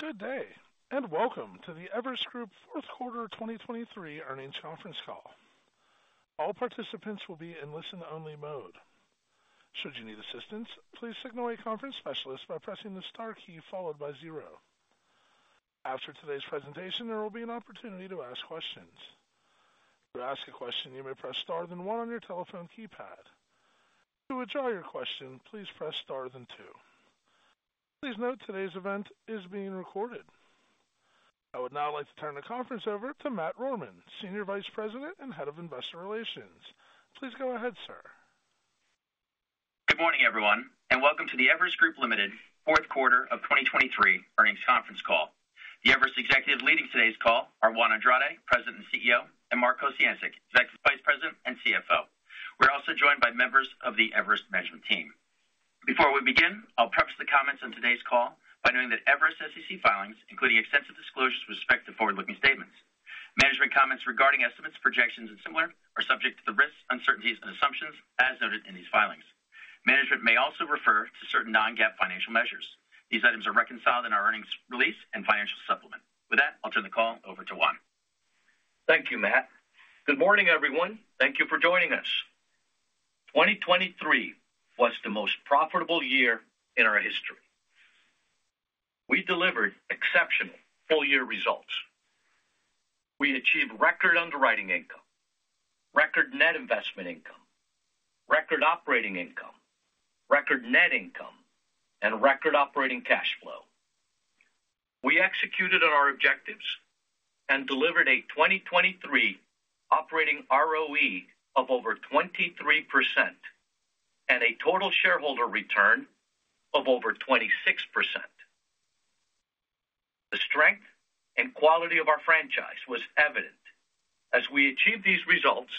Good day, and welcome to the Everest Group fourth quarter 2023 earnings conference call. All participants will be in listen-only mode. Should you need assistance, please signal a conference specialist by pressing the star key followed by zero. After today's presentation, there will be an opportunity to ask questions. To ask a question, you may press star, then one on your telephone keypad. To withdraw your question, please press star, then two. Please note today's event is being recorded. I would now like to turn the conference over to Matt Rohrmann, Senior Vice President and Head of Investor Relations. Please go ahead, sir. Good morning, everyone, and welcome to the Everest Group, Ltd. fourth quarter of 2023 earnings conference call. The Everest executives leading today's call are Juan Andrade, President and CEO, and Mark Kociancic, Executive Vice President and CFO. We're also joined by members of the Everest management team. Before we begin, I'll preface the comments on today's call by noting that Everest's SEC filings, including extensive disclosures with respect to forward-looking statements. Management comments regarding estimates, projections, and similar, are subject to the risks, uncertainties and assumptions as noted in these filings. Management may also refer to certain non-GAAP financial measures. These items are reconciled in our earnings release and financial supplement. With that, I'll turn the call over to Juan. Thank you, Matt. Good morning, everyone. Thank you for joining us. 2023 was the most profitable year in our history. We delivered exceptional full-year results. We achieved record underwriting income, record net investment income, record operating income, record net income, and record operating cash flow. We executed on our objectives and delivered a 2023 operating ROE of over 23% and a total shareholder return of over 26%. The strength and quality of our franchise was evident as we achieved these results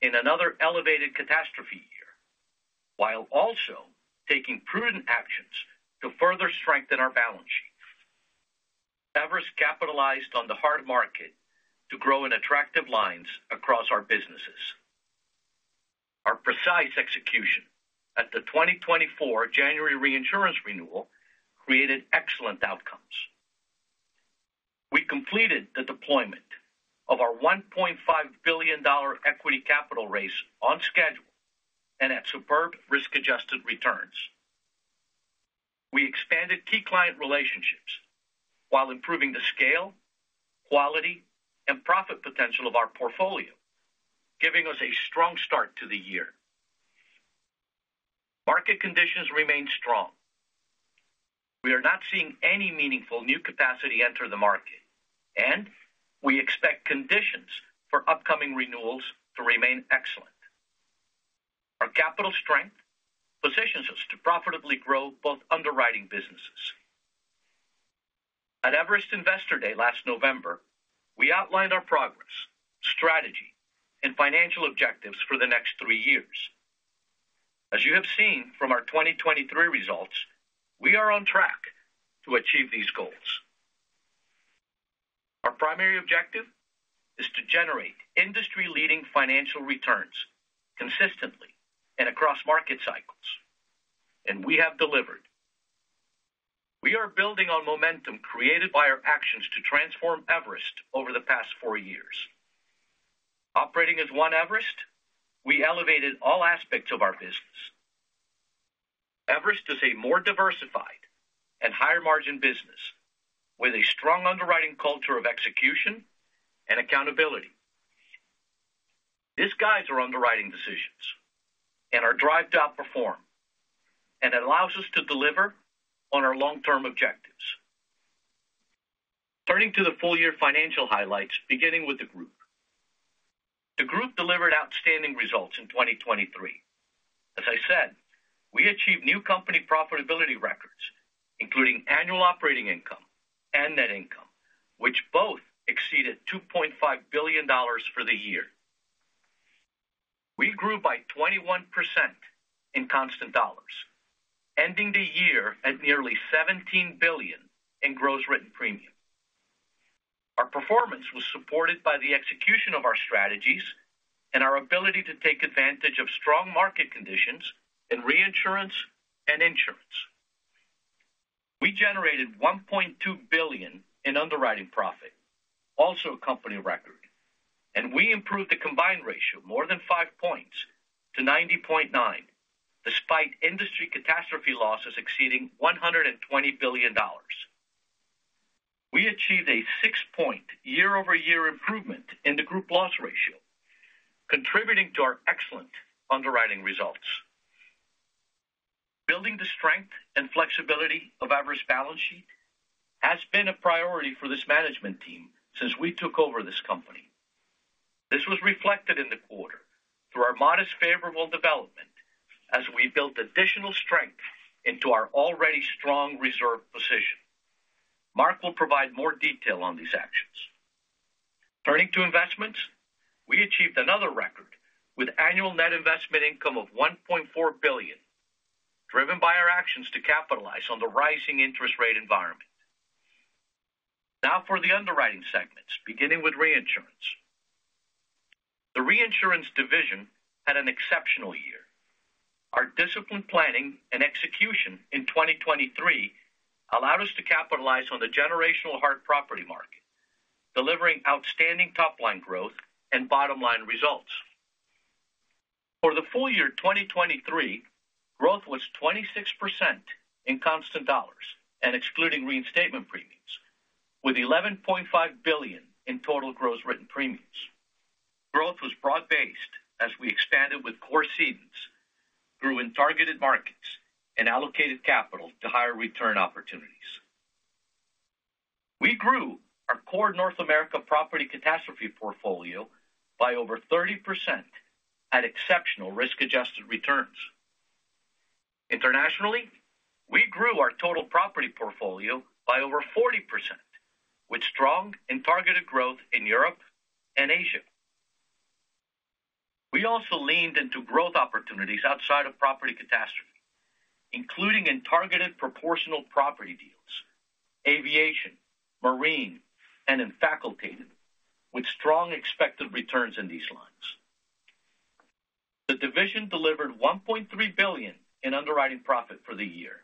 in another elevated catastrophe year, while also taking prudent actions to further strengthen our balance sheet. Everest capitalized on the hard market to grow in attractive lines across our businesses. Our precise execution at the 2024 January reinsurance renewal created excellent outcomes. We completed the deployment of our $1.5 billion equity capital raise on schedule and at superb risk-adjusted returns. We expanded key client relationships while improving the scale, quality, and profit potential of our portfolio, giving us a strong start to the year. Market conditions remain strong. We are not seeing any meaningful new capacity enter the market, and we expect conditions for upcoming renewals to remain excellent. Our capital strength positions us to profitably grow both underwriting businesses. At Everest Investor Day last November, we outlined our progress, strategy, and financial objectives for the next three years. As you have seen from our 2023 results, we are on track to achieve these goals. Our primary objective is to generate industry-leading financial returns consistently and across market cycles, and we have delivered. We are building on momentum created by our actions to transform Everest over the past four years. Operating as one Everest, we elevated all aspects of our business. Everest is a more diversified and higher-margin business with a strong underwriting culture of execution and accountability. This guides our underwriting decisions and our drive to outperform, and it allows us to deliver on our long-term objectives. Turning to the full-year financial highlights, beginning with the group. The group delivered outstanding results in 2023. As I said, we achieved new company profitability records, including annual operating income and net income, which both exceeded $2.5 billion for the year. We grew by 21% in constant dollars, ending the year at nearly $17 billion in gross written premium. Our performance was supported by the execution of our strategies and our ability to take advantage of strong market conditions in reinsurance and insurance. We generated $1.2 billion in underwriting profit, also a company record, and we improved the combined ratio more than 5 points to 90.9, despite industry catastrophe losses exceeding $120 billion. We achieved a 6-point year-over-year improvement in the group loss ratio, contributing to our excellent underwriting results. Building the strength and flexibility of Everest's balance sheet has been a priority for this management team since we took over this company. This was reflected in the quarter through our modest, favorable development as we built additional strength into our already strong reserve position. Mark will provide more detail on these actions. Turning to investments, we achieved another record with annual net investment income of $1.4 billion, driven by our actions to capitalize on the rising interest rate environment. Now for the underwriting segments, beginning with reinsurance. The reinsurance division had an exceptional year. Our disciplined planning and execution in 2023 allowed us to capitalize on the generational hard property market, delivering outstanding top-line growth and bottom-line results. For the full year 2023, growth was 26% in constant dollars and excluding reinstatement premiums, with $11.5 billion in total gross written premiums. Growth was broad-based as we expanded with core cedents, grew in targeted markets, and allocated capital to higher return opportunities. We grew our core North America property catastrophe portfolio by over 30% at exceptional risk-adjusted returns. Internationally, we grew our total property portfolio by over 40%, with strong and targeted growth in Europe and Asia. We also leaned into growth opportunities outside of property catastrophe, including in targeted proportional property deals, aviation, marine, and in facultative, with strong expected returns in these lines. The division delivered $1.3 billion in underwriting profit for the year.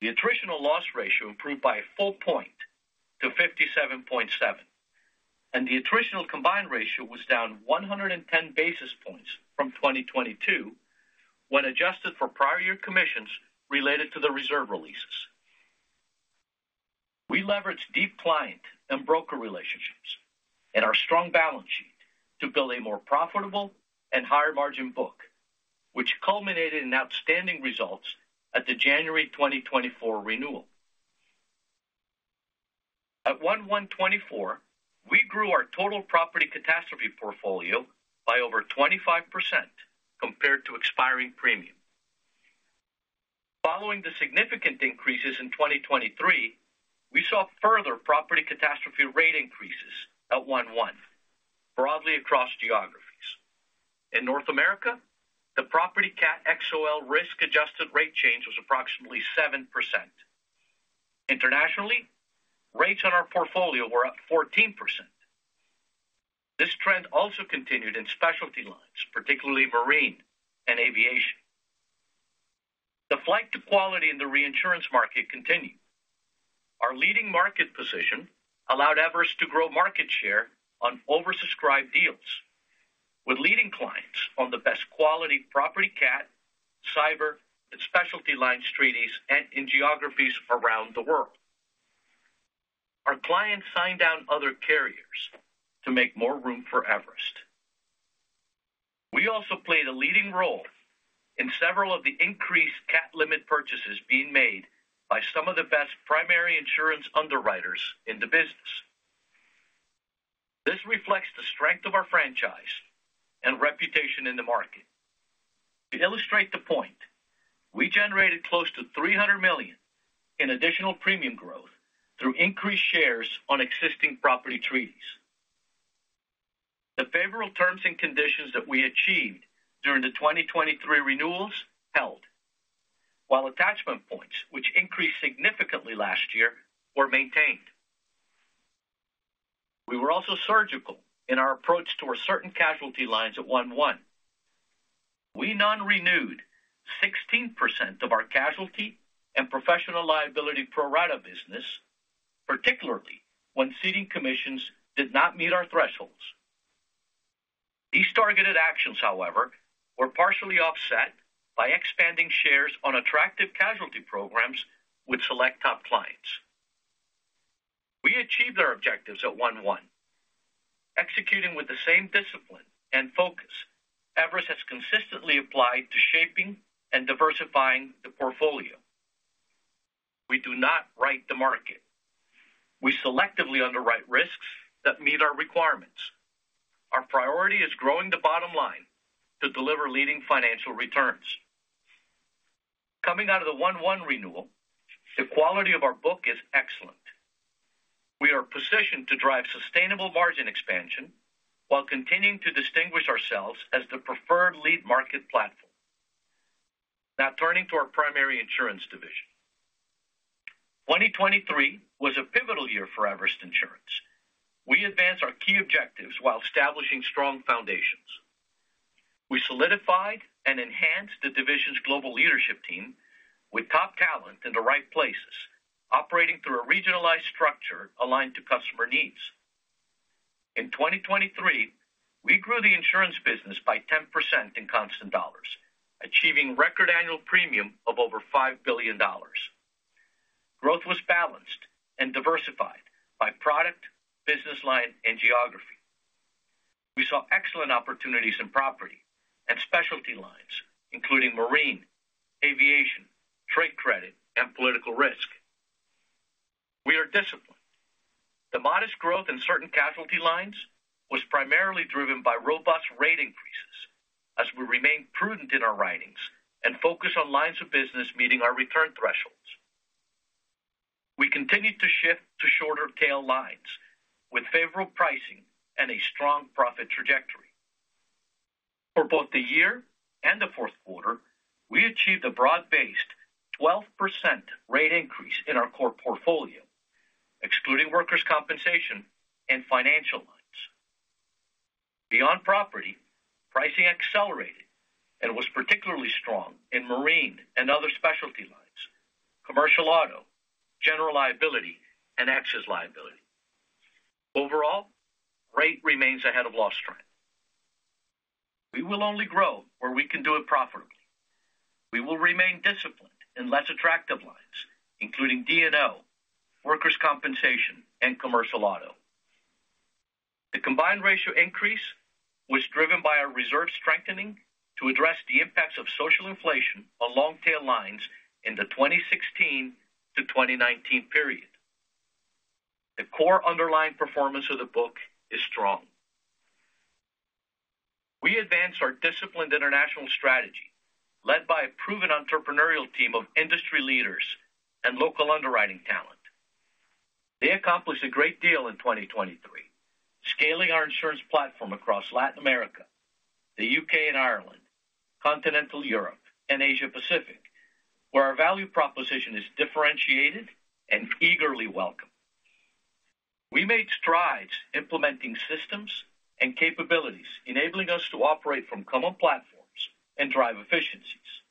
The attritional loss ratio improved by a full point to 57.7, and the attritional combined ratio was down 110 basis points from 2022 when adjusted for prior year commissions related to the reserve releases. We leveraged deep client and broker relationships and our strong balance sheet to build a more profitable and higher-margin book, which culminated in outstanding results at the January 2024 renewal. At 1/1/2024, we grew our total property catastrophe portfolio by over 25% compared to expiring premium. Following the significant increases in 2023, we saw further property catastrophe rate increases at 1/1, broadly across geographies. In North America, the property cat XOL risk-adjusted rate change was approximately 7%. Internationally, rates on our portfolio were up 14%. This trend also continued in specialty lines, particularly marine and aviation. The flight to quality in the reinsurance market continued. Our leading market position allowed Everest to grow market share on oversubscribed deals with leading clients on the best quality property cat, cyber, and specialty lines treaties and in geographies around the world. Our clients signed down other carriers to make more room for Everest. We also played a leading role in several of the increased cat limit purchases being made by some of the best primary insurance underwriters in the business. This reflects the strength of our franchise and reputation in the market. To illustrate the point, we generated close to $300 million in additional premium growth through increased shares on existing property treaties. The favorable terms and conditions that we achieved during the 2023 renewals held, while attachment points, which increased significantly last year, were maintained. We were also surgical in our approach towards certain casualty lines at 1/1. We non-renewed 16% of our casualty and professional liability pro rata business, particularly when ceding commissions did not meet our thresholds. These targeted actions, however, were partially offset by expanding shares on attractive casualty programs with select top clients. We achieved our objectives at 1/1, executing with the same discipline and focus Everest has consistently applied to shaping and diversifying the portfolio. We do not write the market. We selectively underwrite risks that meet our requirements. Our priority is growing the bottom line to deliver leading financial returns. Coming out of the 1/1 renewal, the quality of our book is excellent. We are positioned to drive sustainable margin expansion while continuing to distinguish ourselves as the preferred lead market platform. Now, turning to our primary insurance division. 2023 was a pivotal year for Everest Insurance. We advanced our key objectives while establishing strong foundations. We solidified and enhanced the division's global leadership team with top talent in the right places, operating through a regionalized structure aligned to customer needs. In 2023, we grew the insurance business by 10% in constant dollars, achieving record annual premium of over $5 billion. Growth was balanced and diversified by product, business line, and geography. We saw excellent opportunities in property and specialty lines, including marine, aviation, trade credit, and political risk. We are disciplined. The modest growth in certain casualty lines was primarily driven by robust rate increases as we remain prudent in our writings and focus on lines of business meeting our return thresholds. We continued to shift to shorter tail lines with favorable pricing and a strong profit trajectory.... For both the year and the fourth quarter, we achieved a broad-based 12% rate increase in our core portfolio, excluding workers' compensation and financial lines. Beyond property, pricing accelerated and was particularly strong in marine and other specialty lines, commercial auto, general liability, and excess liability. Overall, rate remains ahead of loss trend. We will only grow where we can do it profitably. We will remain disciplined in less attractive lines, including D&O, workers' compensation, and commercial auto. The combined ratio increase was driven by our reserve strengthening to address the impacts of social inflation on long-tail lines in the 2016-2019 period. The core underlying performance of the book is strong. We advanced our disciplined international strategy, led by a proven entrepreneurial team of industry leaders and local underwriting talent. They accomplished a great deal in 2023, scaling our insurance platform across Latin America, the UK and Ireland, Continental Europe, and Asia Pacific, where our value proposition is differentiated and eagerly welcomed. We made strides implementing systems and capabilities, enabling us to operate from common platforms and drive efficiencies.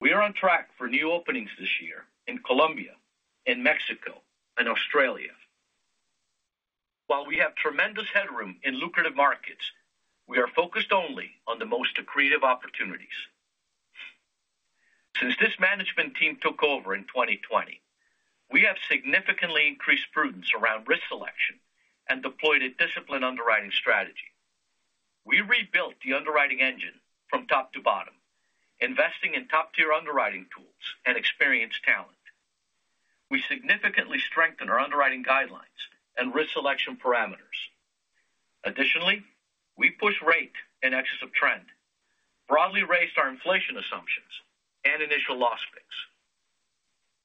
We are on track for new openings this year in Colombia, in Mexico, and Australia. While we have tremendous headroom in lucrative markets, we are focused only on the most accretive opportunities. Since this management team took over in 2020, we have significantly increased prudence around risk selection and deployed a disciplined underwriting strategy. We rebuilt the underwriting engine from top to bottom, investing in top-tier underwriting tools and experienced talent. We significantly strengthened our underwriting guidelines and risk selection parameters. Additionally, we pushed rate in excess of trend, broadly raised our inflation assumptions and initial loss picks.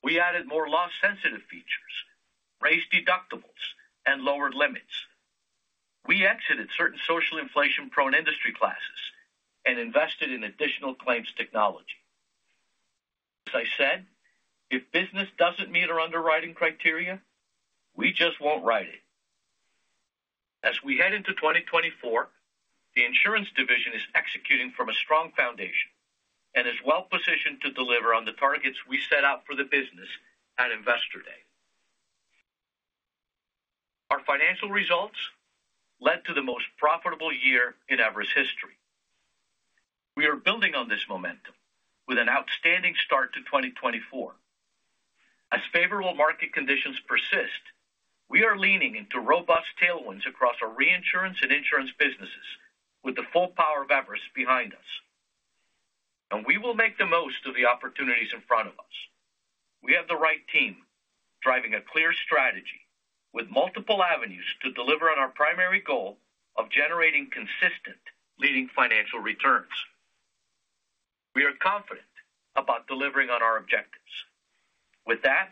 We added more loss-sensitive features, raised deductibles, and lowered limits. We exited certain social inflation-prone industry classes and invested in additional claims technology. As I said, if business doesn't meet our underwriting criteria, we just won't write it. As we head into 2024, the insurance division is executing from a strong foundation and is well-positioned to deliver on the targets we set out for the business at Investor Day. Our financial results led to the most profitable year in Everest history. We are building on this momentum with an outstanding start to 2024. As favorable market conditions persist, we are leaning into robust tailwinds across our reinsurance and insurance businesses with the full power of Everest behind us, and we will make the most of the opportunities in front of us. We have the right team, driving a clear strategy with multiple avenues to deliver on our primary goal of generating consistent, leading financial returns. We are confident about delivering on our objectives. With that,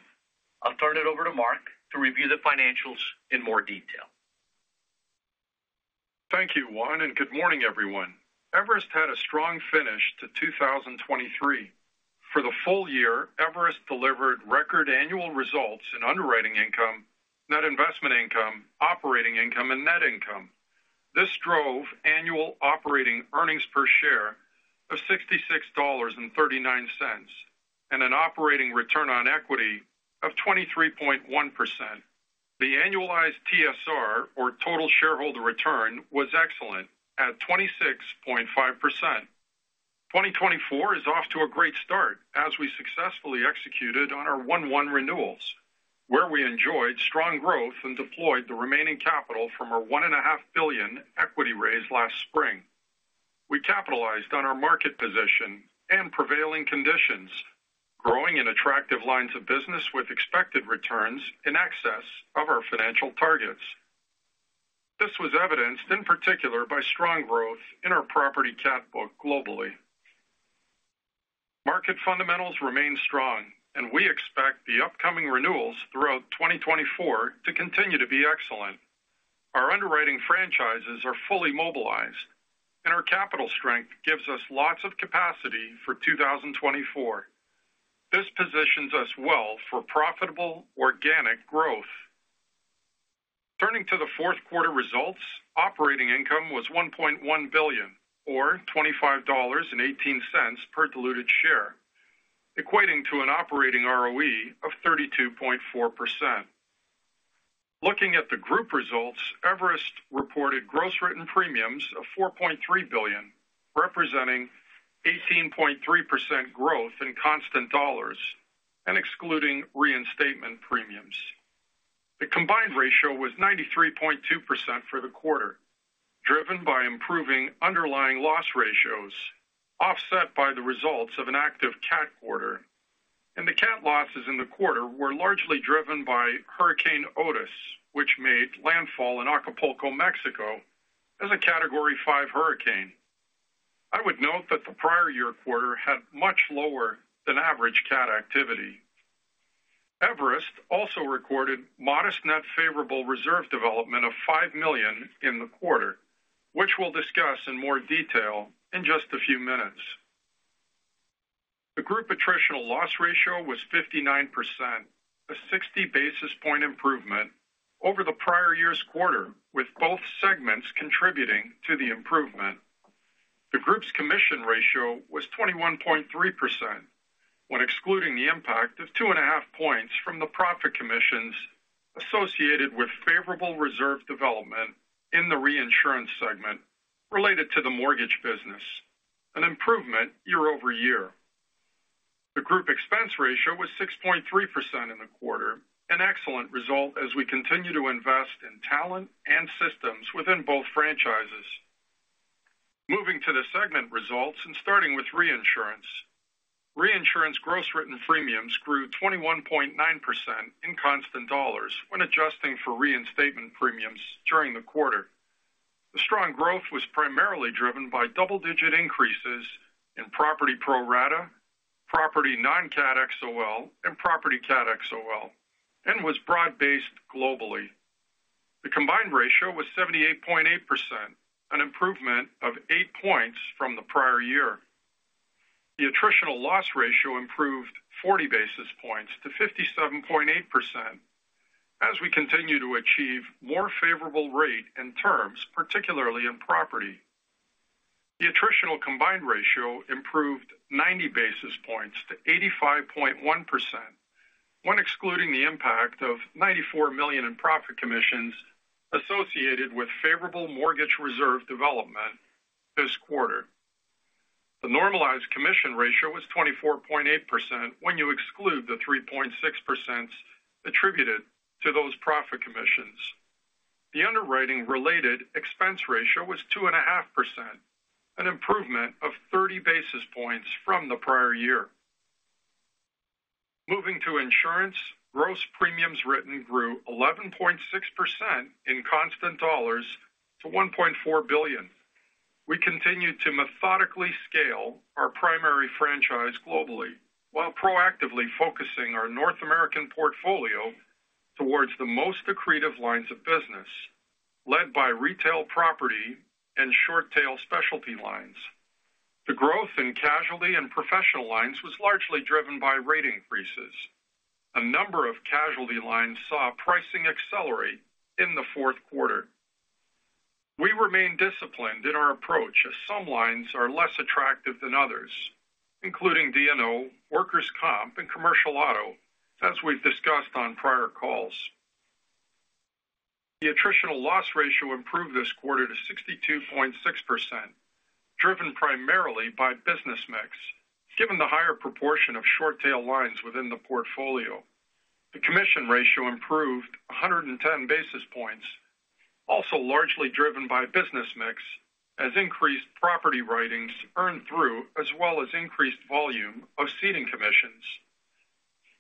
I'll turn it over to Mark to review the financials in more detail. Thank you, Juan, and good morning, everyone. Everest had a strong finish to 2023. For the full year, Everest delivered record annual results in underwriting income, net investment income, operating income, and net income. This drove annual operating earnings per share of $66.39, and an operating return on equity of 23.1%. The annualized TSR, or total shareholder return, was excellent at 26.5%. 2024 is off to a great start as we successfully executed on our 1/1 renewals, where we enjoyed strong growth and deployed the remaining capital from our $1.5 billion equity raise last spring. We capitalized on our market position and prevailing conditions, growing in attractive lines of business with expected returns in excess of our financial targets. This was evidenced, in particular, by strong growth in our property cat book globally. Market fundamentals remain strong, and we expect the upcoming renewals throughout 2024 to continue to be excellent. Our underwriting franchises are fully mobilized, and our capital strength gives us lots of capacity for 2024. This positions us well for profitable organic growth. Turning to the fourth quarter results, operating income was $1.1 billion, or $25.18 per diluted share, equating to an operating ROE of 32.4%. Looking at the group results, Everest reported gross written premiums of $4.3 billion, representing 18.3% growth in constant dollars and excluding reinstatement premiums. The combined ratio was 93.2% for the quarter, driven by improving underlying loss ratios, offset by the results of an active cat quarter. The cat losses in the quarter were largely driven by Hurricane Otis, which made landfall in Acapulco, Mexico, as a Category 5 hurricane. I would note that the prior year quarter had much lower than average cat activity. Everest also recorded modest net favorable reserve development of $5 million in the quarter, which we'll discuss in more detail in just a few minutes. The group attritional loss ratio was 59%, a 60 basis point improvement over the prior year's quarter, with both segments contributing to the improvement. The group's commission ratio was 21.3%, when excluding the impact of 2.5 points from the profit commissions associated with favorable reserve development in the reinsurance segment related to the mortgage business, an improvement year-over-year. The group expense ratio was 6.3% in the quarter, an excellent result as we continue to invest in talent and systems within both franchises. Moving to the segment results and starting with reinsurance. Reinsurance gross written premiums grew 21.9% in constant dollars when adjusting for reinstatement premiums during the quarter. The strong growth was primarily driven by double-digit increases in property pro rata, property non-Cat XOL, and property Cat XOL, and was broad-based globally. The combined ratio was 78.8%, an improvement of 8 points from the prior year. The attritional loss ratio improved 40 basis points to 57.8%, as we continue to achieve more favorable rate and terms, particularly in property. The attritional combined ratio improved 90 basis points to 85.1%, when excluding the impact of $94 million in profit commissions associated with favorable mortgage reserve development this quarter. The normalized commission ratio was 24.8% when you exclude the 3.6% attributed to those profit commissions. The underwriting-related expense ratio was 2.5%, an improvement of 30 basis points from the prior year. Moving to insurance, gross premiums written grew 11.6% in constant dollars to $1.4 billion. We continued to methodically scale our primary franchise globally, while proactively focusing our North American portfolio towards the most accretive lines of business, led by retail property and short tail specialty lines. The growth in casualty and professional lines was largely driven by rate increases. A number of casualty lines saw pricing accelerate in the fourth quarter. We remain disciplined in our approach, as some lines are less attractive than others, including D&O, workers' comp, and commercial auto, as we've discussed on prior calls. The attritional loss ratio improved this quarter to 62.6%, driven primarily by business mix, given the higher proportion of short tail lines within the portfolio. The commission ratio improved 110 basis points, also largely driven by business mix, as increased property writings earned through, as well as increased volume of ceding commissions.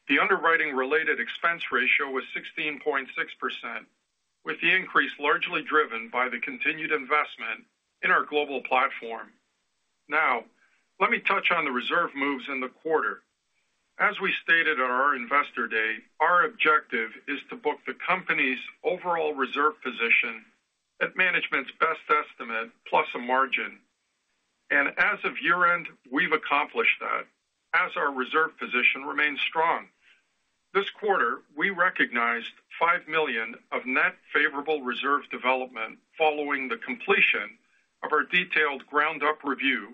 The underwriting-related expense ratio was 16.6%, with the increase largely driven by the continued investment in our global platform. Now, let me touch on the reserve moves in the quarter. As we stated at our Investor Day, our objective is to book the company's overall reserve position at management's best estimate, plus a margin. As of year-end, we've accomplished that, as our reserve position remains strong. This quarter, we recognized $5 million of net favorable reserve development following the completion of our detailed ground-up review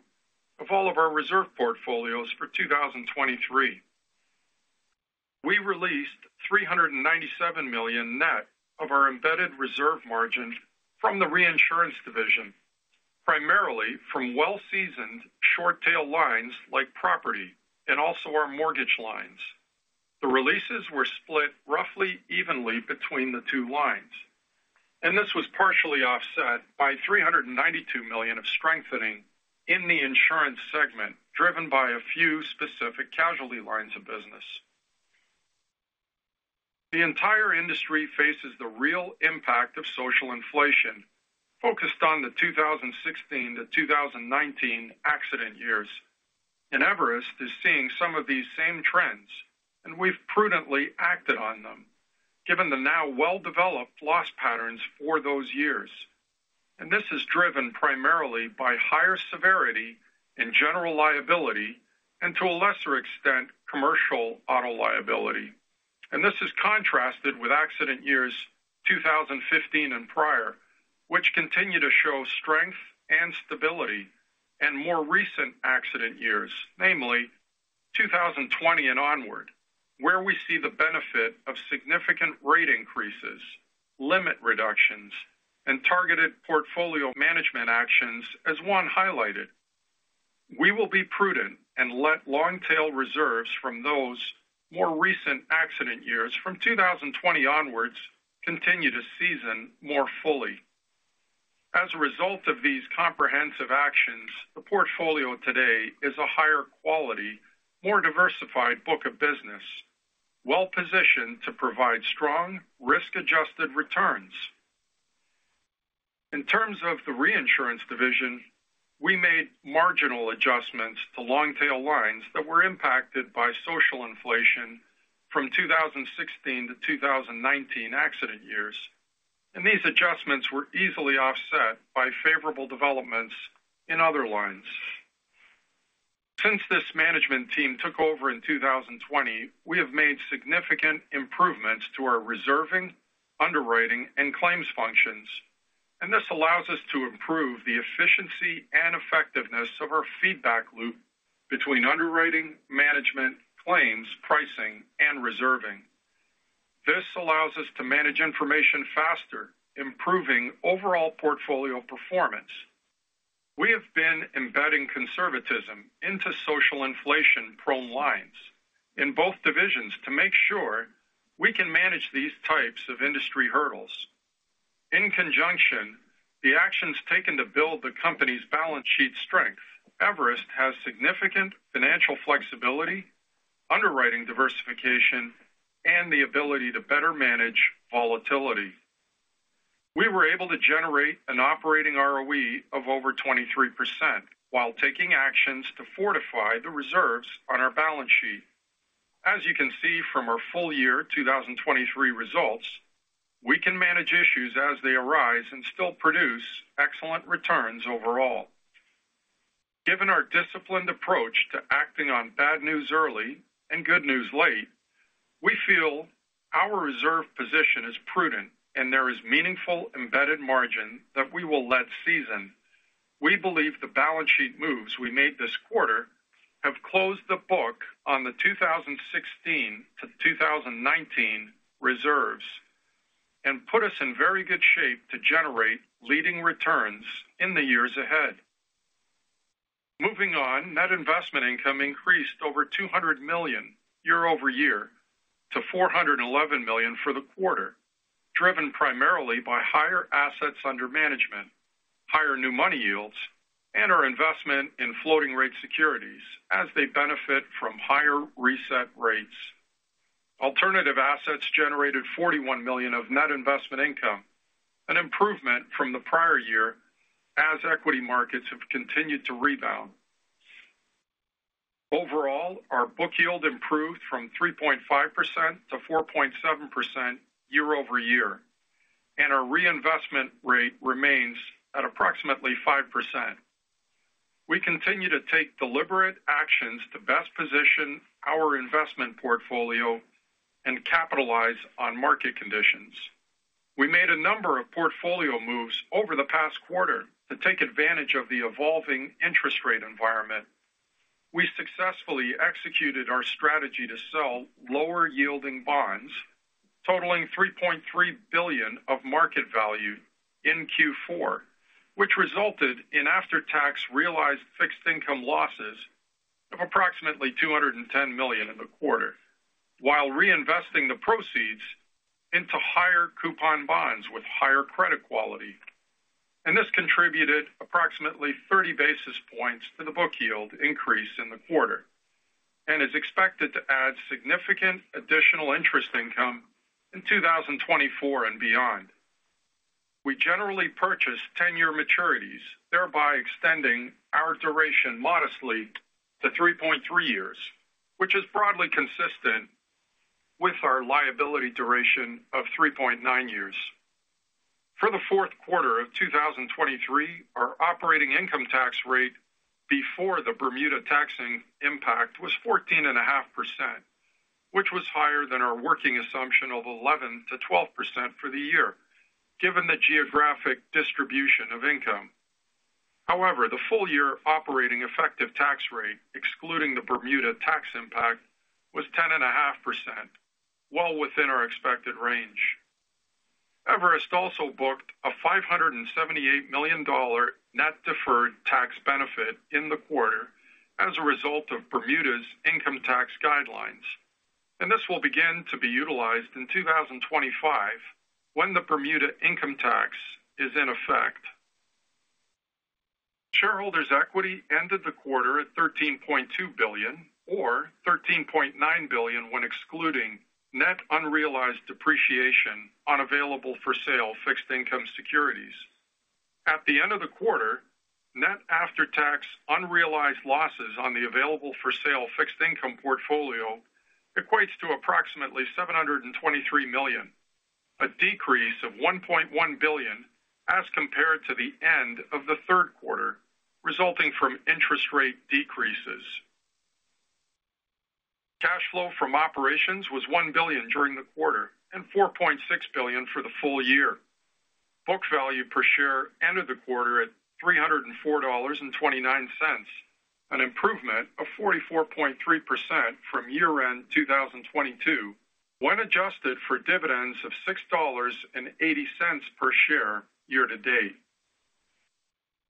of all of our reserve portfolios for 2023. We released $397 million net of our embedded reserve margin from the reinsurance division, primarily from well-seasoned short tail lines like property and also our mortgage lines. The releases were split roughly evenly between the two lines, and this was partially offset by $392 million of strengthening in the insurance segment, driven by a few specific casualty lines of business. The entire industry faces the real impact of social inflation, focused on the 2016-2019 accident years. Everest is seeing some of these same trends, and we've prudently acted on them, given the now well-developed loss patterns for those years. This is driven primarily by higher severity in general liability and, to a lesser extent, commercial auto liability. This is contrasted with accident years 2015 and prior, which continue to show strength and stability in more recent accident years, namely 2020 and onward, where we see the benefit of significant rate increases, limit reductions, and targeted portfolio management actions as one highlighted. We will be prudent and let long tail reserves from those more recent accident years, from 2020 onwards, continue to season more fully. As a result of these comprehensive actions, the portfolio today is a higher quality, more diversified book of business, well-positioned to provide strong, risk-adjusted returns. In terms of the reinsurance division, we made marginal adjustments to long-tail lines that were impacted by social inflation from 2016 to 2019 accident years, and these adjustments were easily offset by favorable developments in other lines. Since this management team took over in 2020, we have made significant improvements to our reserving, underwriting, and claims functions, and this allows us to improve the efficiency and effectiveness of our feedback loop between underwriting, management, claims, pricing, and reserving. This allows us to manage information faster, improving overall portfolio performance. We have been embedding conservatism into social inflation-prone lines in both divisions to make sure we can manage these types of industry hurdles. In conjunction, the actions taken to build the company's balance sheet strength, Everest has significant financial flexibility, underwriting diversification, and the ability to better manage volatility. We were able to generate an operating ROE of over 23% while taking actions to fortify the reserves on our balance sheet. As you can see from our full year 2023 results, we can manage issues as they arise and still produce excellent returns overall. Given our disciplined approach to acting on bad news early and good news late, we feel our reserve position is prudent and there is meaningful embedded margin that we will let season. We believe the balance sheet moves we made this quarter have closed the book on the 2016-2019 reserves and put us in very good shape to generate leading returns in the years ahead. Moving on, net investment income increased over $200 million year-over-year to $411 million for the quarter, driven primarily by higher assets under management, higher new money yields, and our investment in floating-rate securities as they benefit from higher reset rates. Alternative assets generated $41 million of net investment income, an improvement from the prior year as equity markets have continued to rebound. Overall, our book yield improved from 3.5% to 4.7% year-over-year, and our reinvestment rate remains at approximately 5%. We continue to take deliberate actions to best position our investment portfolio and capitalize on market conditions. We made a number of portfolio moves over the past quarter to take advantage of the evolving interest rate environment. We successfully executed our strategy to sell lower-yielding bonds, totaling $3.3 billion of market value in Q4, which resulted in after-tax realized fixed income losses of approximately $210 million in the quarter, while reinvesting the proceeds into higher coupon bonds with higher credit quality. And this contributed approximately 30 basis points to the book yield increase in the quarter and is expected to add significant additional interest income in 2024 and beyond. We generally purchase 10-year maturities, thereby extending our duration modestly to 3.3 years, which is broadly consistent with our liability duration of 3.9 years. For the fourth quarter of 2023, our operating income tax rate before the Bermuda taxing impact was 14.5%, which was higher than our working assumption of 11%-12% for the year, given the geographic distribution of income. However, the full-year operating effective tax rate, excluding the Bermuda tax impact, was 10.5%, well within our expected range. Everest also booked a $578 million net deferred tax benefit in the quarter as a result of Bermuda's income tax guidelines, and this will begin to be utilized in 2025, when the Bermuda income tax is in effect. Shareholders' equity ended the quarter at $13.2 billion, or $13.9 billion, when excluding net unrealized depreciation on available-for-sale fixed income securities. At the end of the quarter, net after-tax unrealized losses on the available for sale fixed income portfolio equates to approximately $723 million, a decrease of $1.1 billion as compared to the end of the third quarter, resulting from interest rate decreases. Cash flow from operations was $1 billion during the quarter and $4.6 billion for the full year. Book value per share ended the quarter at $304.29, an improvement of 44.3% from year-end 2022, when adjusted for dividends of $6.80 per share year to date.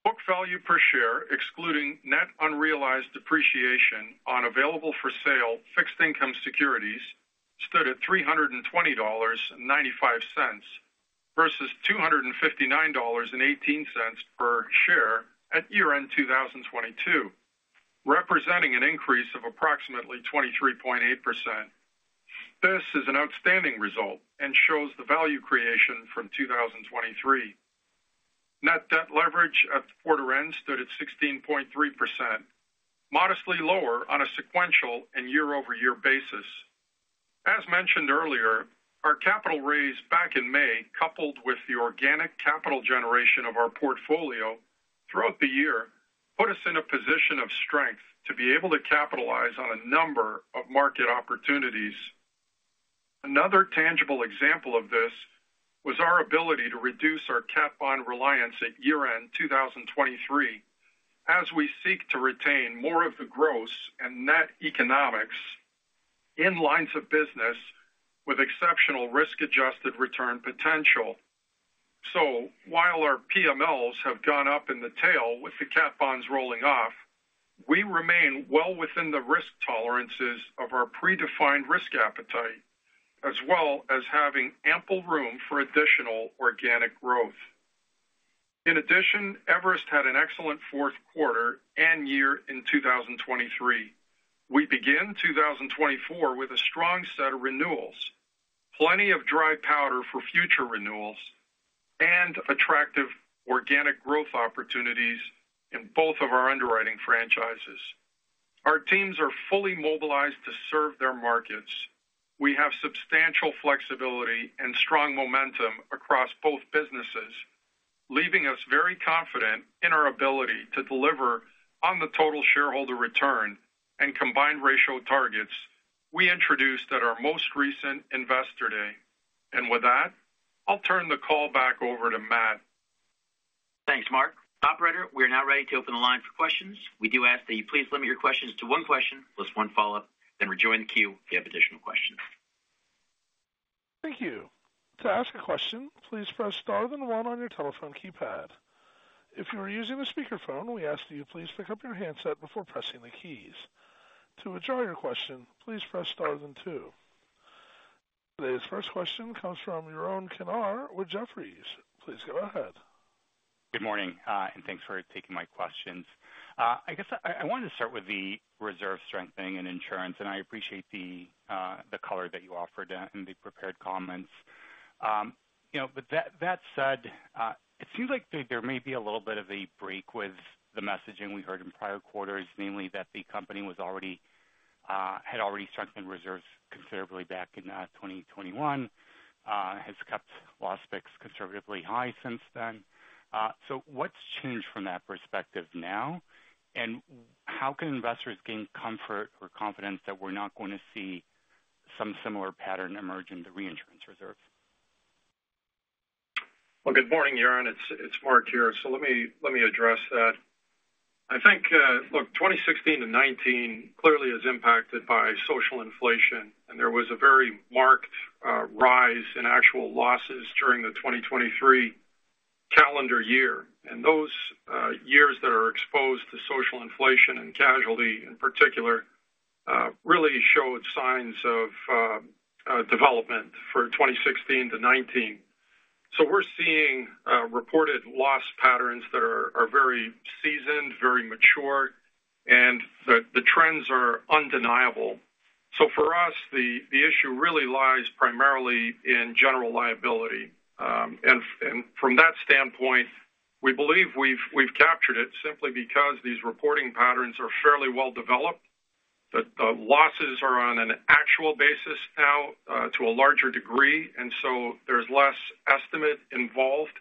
Book value per share, excluding net unrealized depreciation on available-for-sale fixed income securities, stood at $320.95 versus $259.18 per share at year-end 2022, representing an increase of approximately 23.8%. This is an outstanding result and shows the value creation from 2023. Net debt leverage at the quarter end stood at 16.3%, modestly lower on a sequential and year-over-year basis. As mentioned earlier, our capital raise back in May, coupled with the organic capital generation of our portfolio throughout the year, put us in a position of strength to be able to capitalize on a number of market opportunities. Another tangible example of this was our ability to reduce our cat bond reliance at year-end 2023 as we seek to retain more of the gross and net economics in lines of business with exceptional risk-adjusted return potential. So while our PMLs have gone up in the tail with the cat bonds rolling off, we remain well within the risk tolerances of our predefined risk appetite, as well as having ample room for additional organic growth. In addition, Everest had an excellent fourth quarter and year in 2023. We begin 2024 with a strong set of renewals, plenty of dry powder for future renewals, and attractive organic growth opportunities in both of our underwriting franchises. Our teams are fully mobilized to serve their markets. We have substantial flexibility and strong momentum across both businesses, leaving us very confident in our ability to deliver on the total shareholder return and combined ratio targets we introduced at our most recent Investor Day. With that, I'll turn the call back over to Matt. Thanks, Mark. Operator, we are now ready to open the line for questions. We do ask that you please limit your questions to one question, plus one follow-up, then rejoin the queue if you have additional questions. Thank you. To ask a question, please press star then one on your telephone keypad. If you are using a speakerphone, we ask that you please pick up your handset before pressing the keys. To withdraw your question, please press star then two. Today's first question comes from Yaron Kinar with Jefferies. Please go ahead. Good morning, and thanks for taking my questions. I guess I wanted to start with the reserve strengthening and insurance, and I appreciate the color that you offered in the prepared comments. You know, but that said, it seems like there may be a little bit of a break with the messaging we heard in prior quarters, namely that the company was already had already strengthened reserves considerably back in 2021, has kept loss picks conservatively high since then. So what's changed from that perspective now? And how can investors gain comfort or confidence that we're not going to see some similar pattern emerge in the reinsurance reserves? Well, good morning, Yaron. It's Mark here. So let me address that. I think, look, 2016 to 2019 clearly is impacted by social inflation, and there was a very marked rise in actual losses during the 2023 calendar year. And those years that are exposed to social inflation and casualty, in particular, really showed signs of development for 2016 to 2019. So we're seeing reported loss patterns that are very seasoned, very mature, and the trends are undeniable. So for us, the issue really lies primarily in general liability. And from that standpoint, we believe we've captured it simply because these reporting patterns are fairly well developed. The losses are on an actual basis now, to a larger degree, and so there's less estimate involved,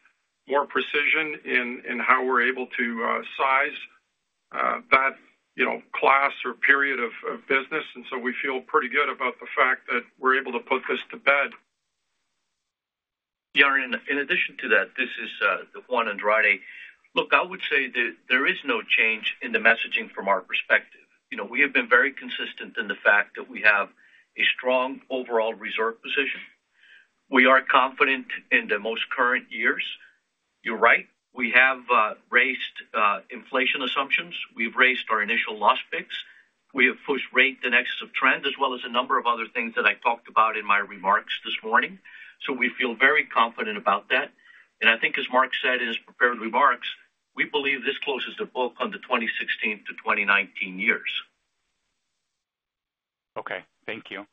more precision in how we're able to size that, you know, class or period of business. And so we feel pretty good about the fact that we're able to put this to bed. Yaron, in addition to that, this is Juan Andrade. Look, I would say that there is no change in the messaging from our perspective. You know, we have been very consistent in the fact that we have a strong overall reserve position. We are confident in the most current years. You're right, we have raised inflation assumptions. We've raised our initial loss picks. We have pushed rate in excess of trend, as well as a number of other things that I talked about in my remarks this morning. So we feel very confident about that. And I think, as Mark said in his prepared remarks, we believe this closes the book on the 2016-2019 years. Okay. Thank you.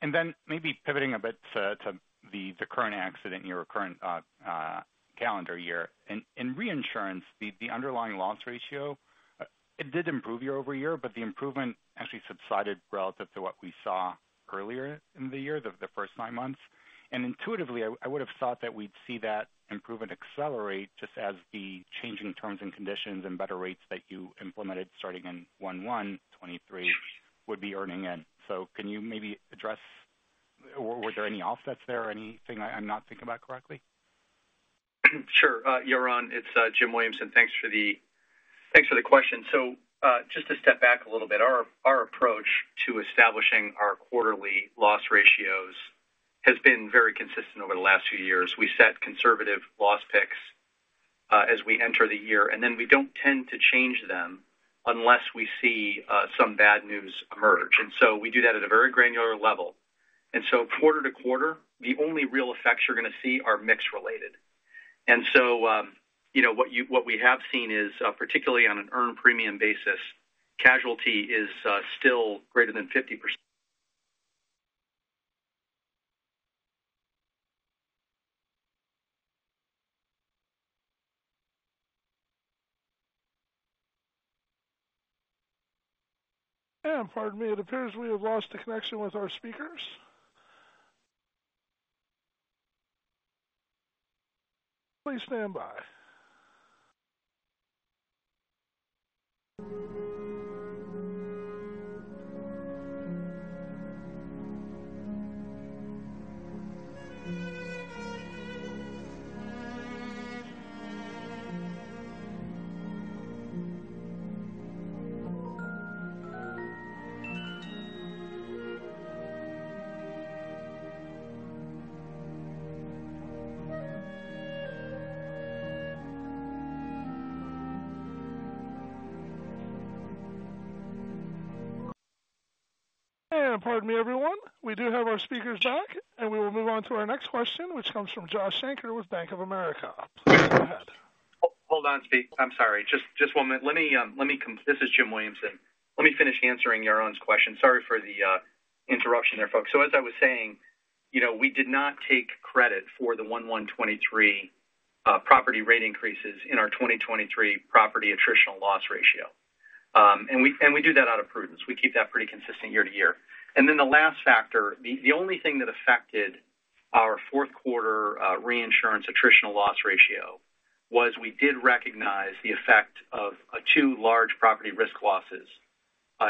And then maybe pivoting a bit to the current accident year in your current calendar year. In reinsurance, the underlying loss ratio, it did improve year-over-year, but the improvement actually subsided relative to what we saw earlier in the year, the first nine months. And intuitively, I would have thought that we'd see that improvement accelerate just as the changing terms and conditions and better rates that you implemented starting in 1/1/2023 would be earning in. So can you maybe address, or were there any offsets there? Anything I'm not thinking about correctly? Sure. Yaron, it's Jim Williamson. Thanks for the question. So, just to step back a little bit. Our approach to establishing our quarterly loss ratios has been very consistent over the last few years. We set conservative loss picks as we enter the year, and then we don't tend to change them unless we see some bad news emerge. And so we do that at a very granular level. And so quarter to quarter, the only real effects you're going to see are mix related. And so, you know, what you—what we have seen is, particularly on an earned premium basis, casualty is still greater than 50%. Pardon me, it appears we have lost the connection with our speakers. Please stand by. Pardon me, everyone. We do have our speakers back, and we will move on to our next question, which comes from Josh Shanker with Bank of America. Please go ahead. Hold, hold on, speak. I'm sorry. Just, just one minute. Let me, let me. This is Jim Williamson. Let me finish answering Yaron's question. Sorry for the interruption there, folks. So as I was saying, you know, we did not take credit for the 2023 property rate increases in our 2023 property attritional loss ratio. And we, and we do that out of prudence. We keep that pretty consistent year to year. And then the last factor, the, the only thing that affected our fourth quarter reinsurance attritional loss ratio was we did recognize the effect of two large property risk losses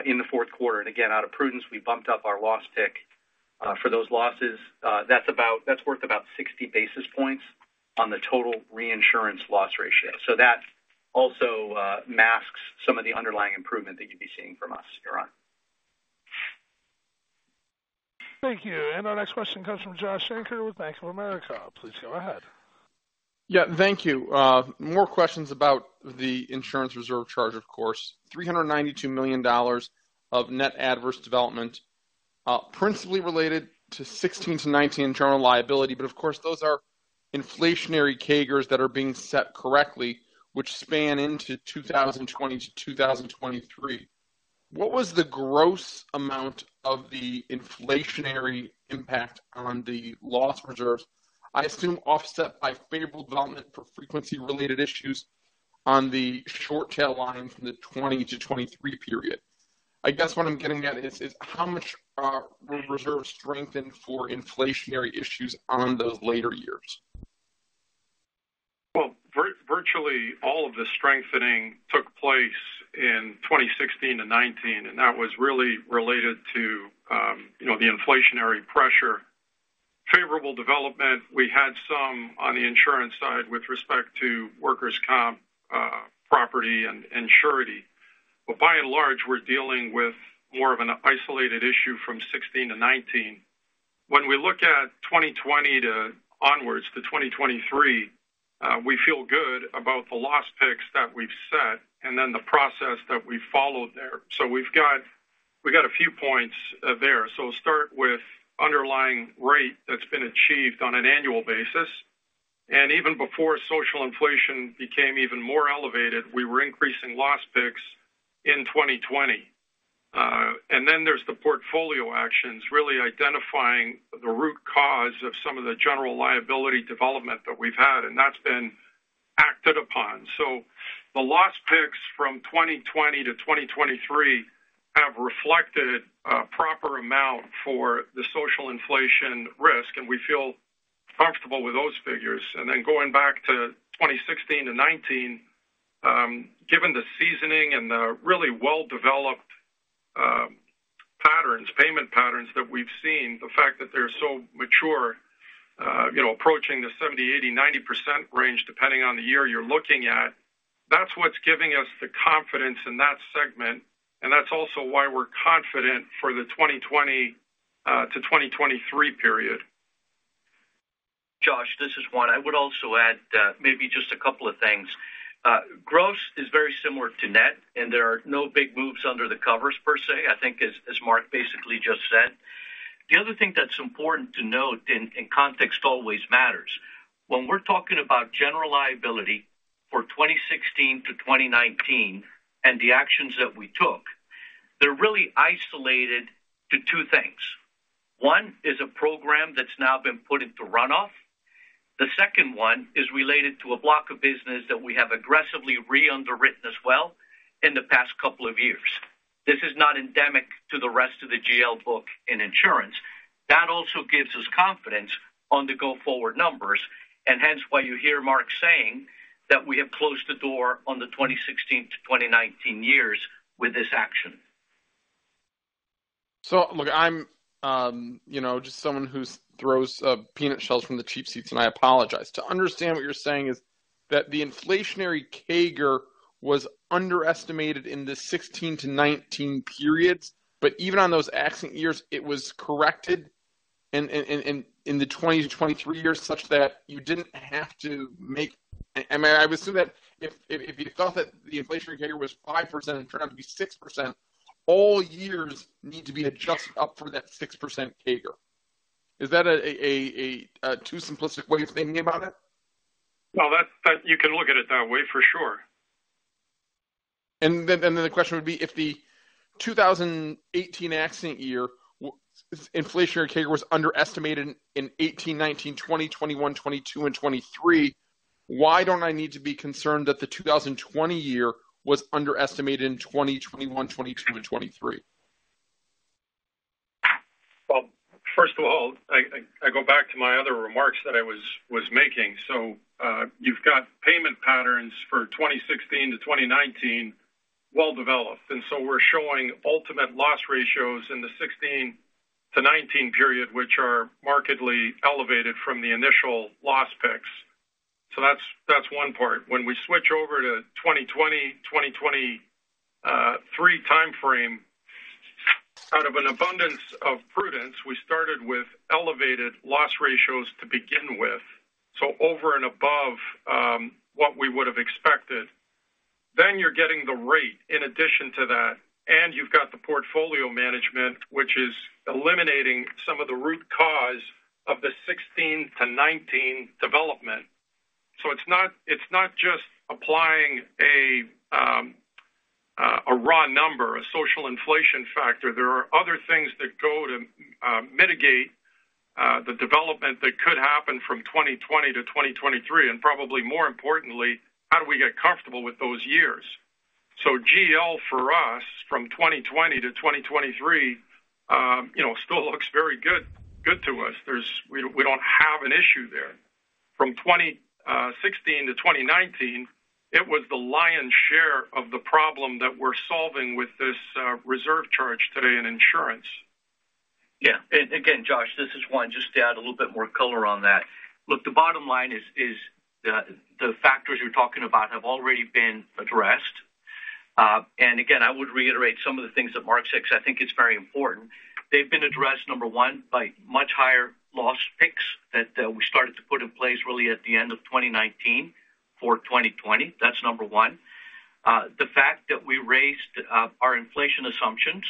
in the fourth quarter. And again, out of prudence, we bumped up our loss pick for those losses. That's about. That's worth about 60 basis points on the total reinsurance loss ratio. So that also masks some of the underlying improvement that you'd be seeing from us, Yaron. Thank you. And our next question comes from Josh Shanker with Bank of America. Please go ahead. Yeah, thank you. More questions about the insurance reserve charge, of course. $392 million of net adverse development, principally related to 2016-2019 General Liability, but of course, those are inflationary CAGRs that are being set correctly, which span into 2020-2023. What was the gross amount of the inflationary impact on the loss reserves? I assume, offset by favorable development for frequency-related issues on the short tail line from the 2020-2023 period. I guess what I'm getting at is, is how much, will reserves strengthen for inflationary issues on those later years? Well, virtually all of the strengthening took place in 2016 to 2019, and that was really related to, you know, the inflationary pressure. Favorable development, we had some on the insurance side with respect to workers' comp, property and surety. But by and large, we're dealing with more of an isolated issue from 2016 to 2019. When we look at 2020 to onwards to 2023, we feel good about the loss picks that we've set and then the process that we followed there. So we've got a few points there. So start with underlying rate that's been achieved on an annual basis. And even before social inflation became even more elevated, we were increasing loss picks in 2020. And then there's the portfolio actions, really identifying the root cause of some of the general liability development that we've had, and that's been acted upon. So the loss picks from 2020-2023 have reflected a proper amount for the social inflation risk, and we feel comfortable with those figures. And then going back to 2016-2019, given the seasoning and the really well-developed patterns, payment patterns that we've seen, the fact that they're so mature, you know, approaching the 70%, 80%, 90% range, depending on the year you're looking at, that's what's giving us the confidence in that segment, and that's also why we're confident for the 2020-2023 period. Josh, this is Juan. I would also add, maybe just a couple of things. Gross is very similar to net, and there are no big moves under the covers per se, I think, as Mark basically just said. The other thing that's important to note, and context always matters. When we're talking about general liability for 2016 to 2019 and the actions that we took, they're really isolated to two things. One is a program that's now been put into runoff. The second one is related to a block of business that we have aggressively re-underwritten as well in the past couple of years. This is not endemic to the rest of the GL book in insurance. That also gives us confidence on the go-forward numbers, and hence, why you hear Mark saying that we have closed the door on the 2016-2019 years with this action. So look, I'm you know just someone who throws peanut shells from the cheap seats, and I apologize. To understand what you're saying is that the inflationary CAGR was underestimated in the 16-19 periods, but even on those accident years, it was corrected in the 20-23 years, such that you didn't have to make... I assume that if you thought that the inflationary CAGR was 5% and it turned out to be 6%- all years need to be adjusted up from that 6% CAGR. Is that a too simplistic way of thinking about it? Well, that you can look at it that way, for sure. Then the question would be, if the 2018 accident year with inflation or CAGR was underestimated in 2018, 2019, 2020, 2021, 2022, and 2023, why don't I need to be concerned that the 2020 year was underestimated in 2020, 2021, 2022, and 2023? Well, first of all, I go back to my other remarks that I was making. So, you've got payment patterns for 2016 to 2019 well developed, and so we're showing ultimate loss ratios in the 2016-2019 period, which are markedly elevated from the initial loss picks. So that's one part. When we switch over to 2020-2023 timeframe, out of an abundance of prudence, we started with elevated loss ratios to begin with, so over and above what we would have expected. Then you're getting the rate in addition to that, and you've got the portfolio management, which is eliminating some of the root cause of the 2016-2019 development. So it's not just applying a raw number, a social inflation factor. There are other things that go to mitigate the development that could happen from 2020 to 2023, and probably more importantly, how do we get comfortable with those years? So GL for us, from 2020 to 2023, you know, still looks very good, good to us. We, we don't have an issue there. From 2016 to 2019, it was the lion's share of the problem that we're solving with this reserve charge today in insurance. Yeah. Again, Josh, this is Juan. Just to add a little bit more color on that. Look, the bottom line is the factors you're talking about have already been addressed. And again, I would reiterate some of the things that Mark said, because I think it's very important. They've been addressed, number one, by much higher loss picks that we started to put in place really at the end of 2019 for 2020. That's number one. The fact that we raised our inflation assumptions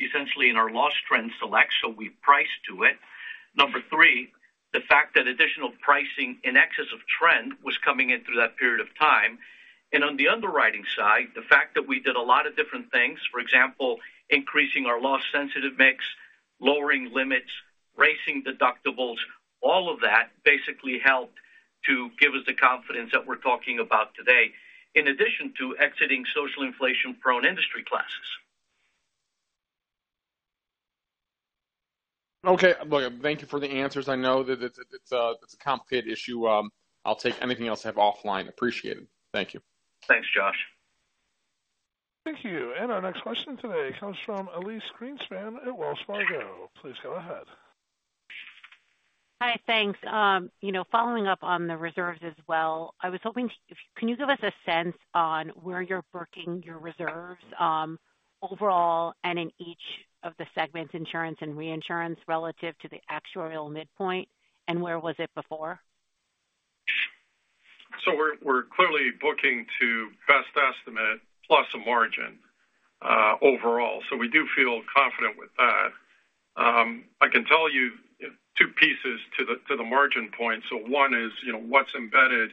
essentially in our loss trend selections, so we priced to it. Number three, the fact that additional pricing in excess of trend was coming in through that period of time. On the underwriting side, the fact that we did a lot of different things, for example, increasing our loss sensitive mix, lowering limits, raising deductibles, all of that basically helped to give us the confidence that we're talking about today, in addition to exiting Social inflation-prone industry classes. Okay, look, thank you for the answers. I know that it's a complicated issue. I'll take anything else I have offline. Appreciate it. Thank you. Thanks, Josh. Thank you. Our next question today comes from Elyse Greenspan at Wells Fargo. Please go ahead. Hi, thanks. You know, following up on the reserves as well, I was hoping to... Can you give us a sense on where you're booking your reserves, overall and in each of the segments, insurance and reinsurance, relative to the actuarial midpoint, and where was it before? So we're clearly booking to best estimate plus a margin, overall. So we do feel confident with that. I can tell you two pieces to the margin point. So one is, you know, what's embedded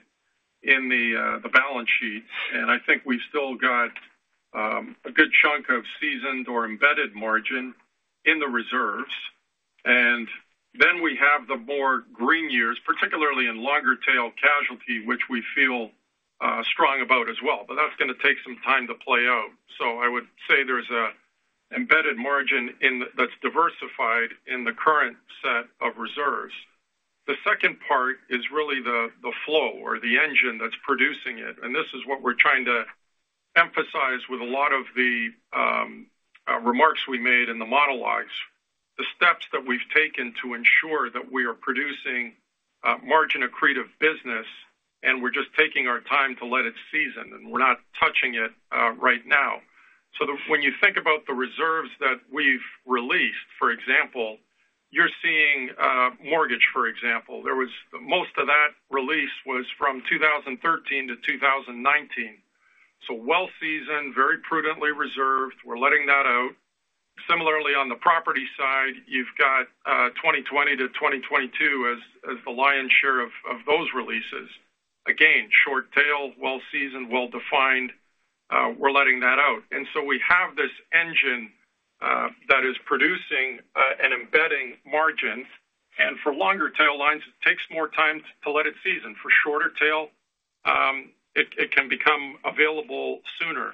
in the balance sheet, and I think we've still got a good chunk of seasoned or embedded margin in the reserves. And then we have the more green years, particularly in longer tail casualty, which we feel strong about as well, but that's gonna take some time to play out. So I would say there's an embedded margin that's diversified in the current set of reserves. The second part is really the flow or the engine that's producing it, and this is what we're trying to emphasize with a lot of the remarks we made in the monologues. The steps that we've taken to ensure that we are producing margin accretive business, and we're just taking our time to let it season, and we're not touching it right now. So, when you think about the reserves that we've released, for example, you're seeing mortgage, for example. Most of that release was from 2013 to 2019. So well seasoned, very prudently reserved. We're letting that out. Similarly, on the property side, you've got 2020 to 2022 as the lion's share of those releases. Again, short tail, well seasoned, well defined. We're letting that out. And so we have this engine that is producing and embedding margins, and for longer tail lines, it takes more time to let it season. For shorter tail, it can become available sooner.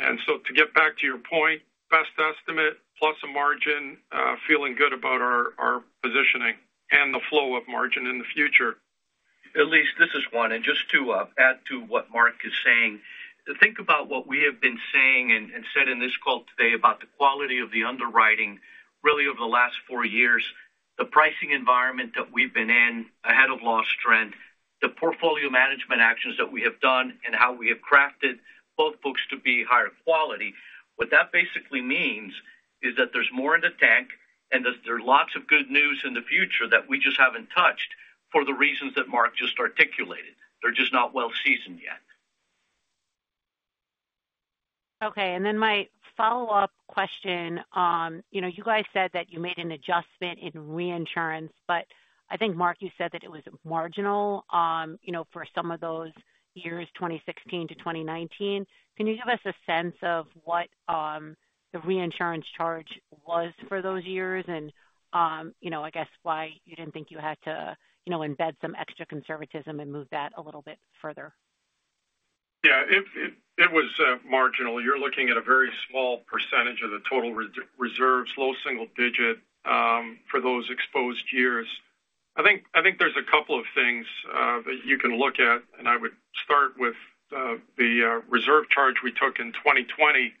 To get back to your point, best estimate plus a margin, feeling good about our, our positioning and the flow of margin in the future. Elise, this is Juan, and just to add to what Mark is saying, to think about what we have been saying and said in this call today about the quality of the underwriting really over the last four years, the pricing environment that we've been in ahead of loss trend, the portfolio management actions that we have done, and how we have crafted both books to be higher quality. What that basically means is that there's more in the tank, and that there are lots of good news in the future that we just haven't touched for the reasons that Mark just articulated. They're just not well seasoned yet. Okay. And then my follow-up question on, you know, you guys said that you made an adjustment in reinsurance, but I think, Mark, you said that it was marginal, you know, for some of those years, 2016-2019. Can you give us a sense of what, the reinsurance charge was for those years? And, you know, I guess why you didn't think you had to, you know, embed some extra conservatism and move that a little bit further? Yeah, it was marginal. You're looking at a very small percentage of the total reserves, low single digit, for those exposed years. I think there's a couple of things that you can look at, and I would start with the reserve charge we took in 2020.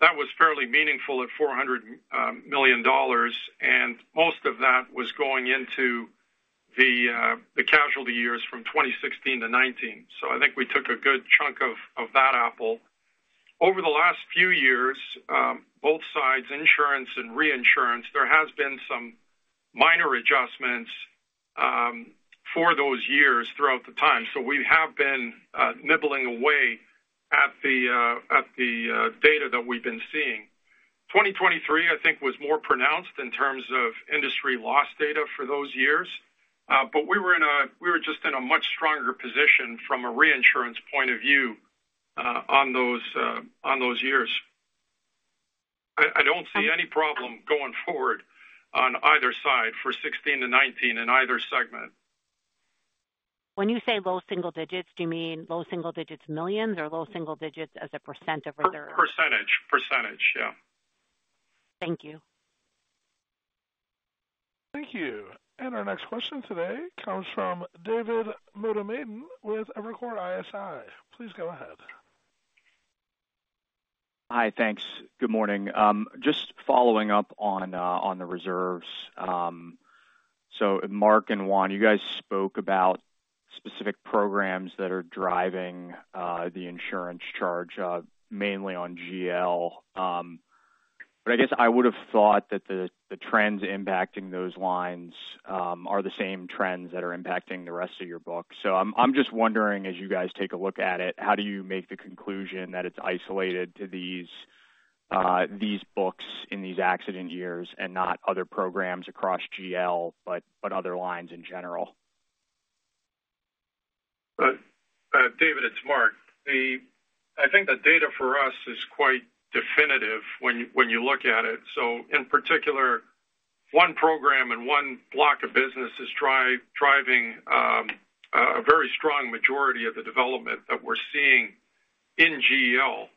That was fairly meaningful at $400 million, and most of that was going into the casualty years from 2016 to 2019. So I think we took a good chunk of that apple. Over the last few years, both sides, insurance and reinsurance, there has been some minor adjustments for those years throughout the time. So we have been nibbling away at the data that we've been seeing. 2023, I think, was more pronounced in terms of industry loss data for those years, but we were just in a much stronger position from a reinsurance point of view, on those years. I, I don't see any problem going forward on either side for 2016-2019 in either segment. When you say low single digits, do you mean low single digits millions or low single digits as a % of reserve? Percentage. Percentage, yeah. Thank you. Thank you. And our next question today comes from David Motemaden with Evercore ISI. Please go ahead. Hi, thanks. Good morning. Just following up on the reserves. So Mark and Juan, you guys spoke about specific programs that are driving the insurance charge, mainly on GL. But I guess I would have thought that the trends impacting those lines are the same trends that are impacting the rest of your book. So I'm just wondering, as you guys take a look at it, how do you make the conclusion that it's isolated to these books in these accident years and not other programs across GL, but other lines in general? David, it's Mark. The I think the data for us is quite definitive when you look at it. So in particular, one program and one block of business is driving a very strong majority of the development that we're seeing in GL.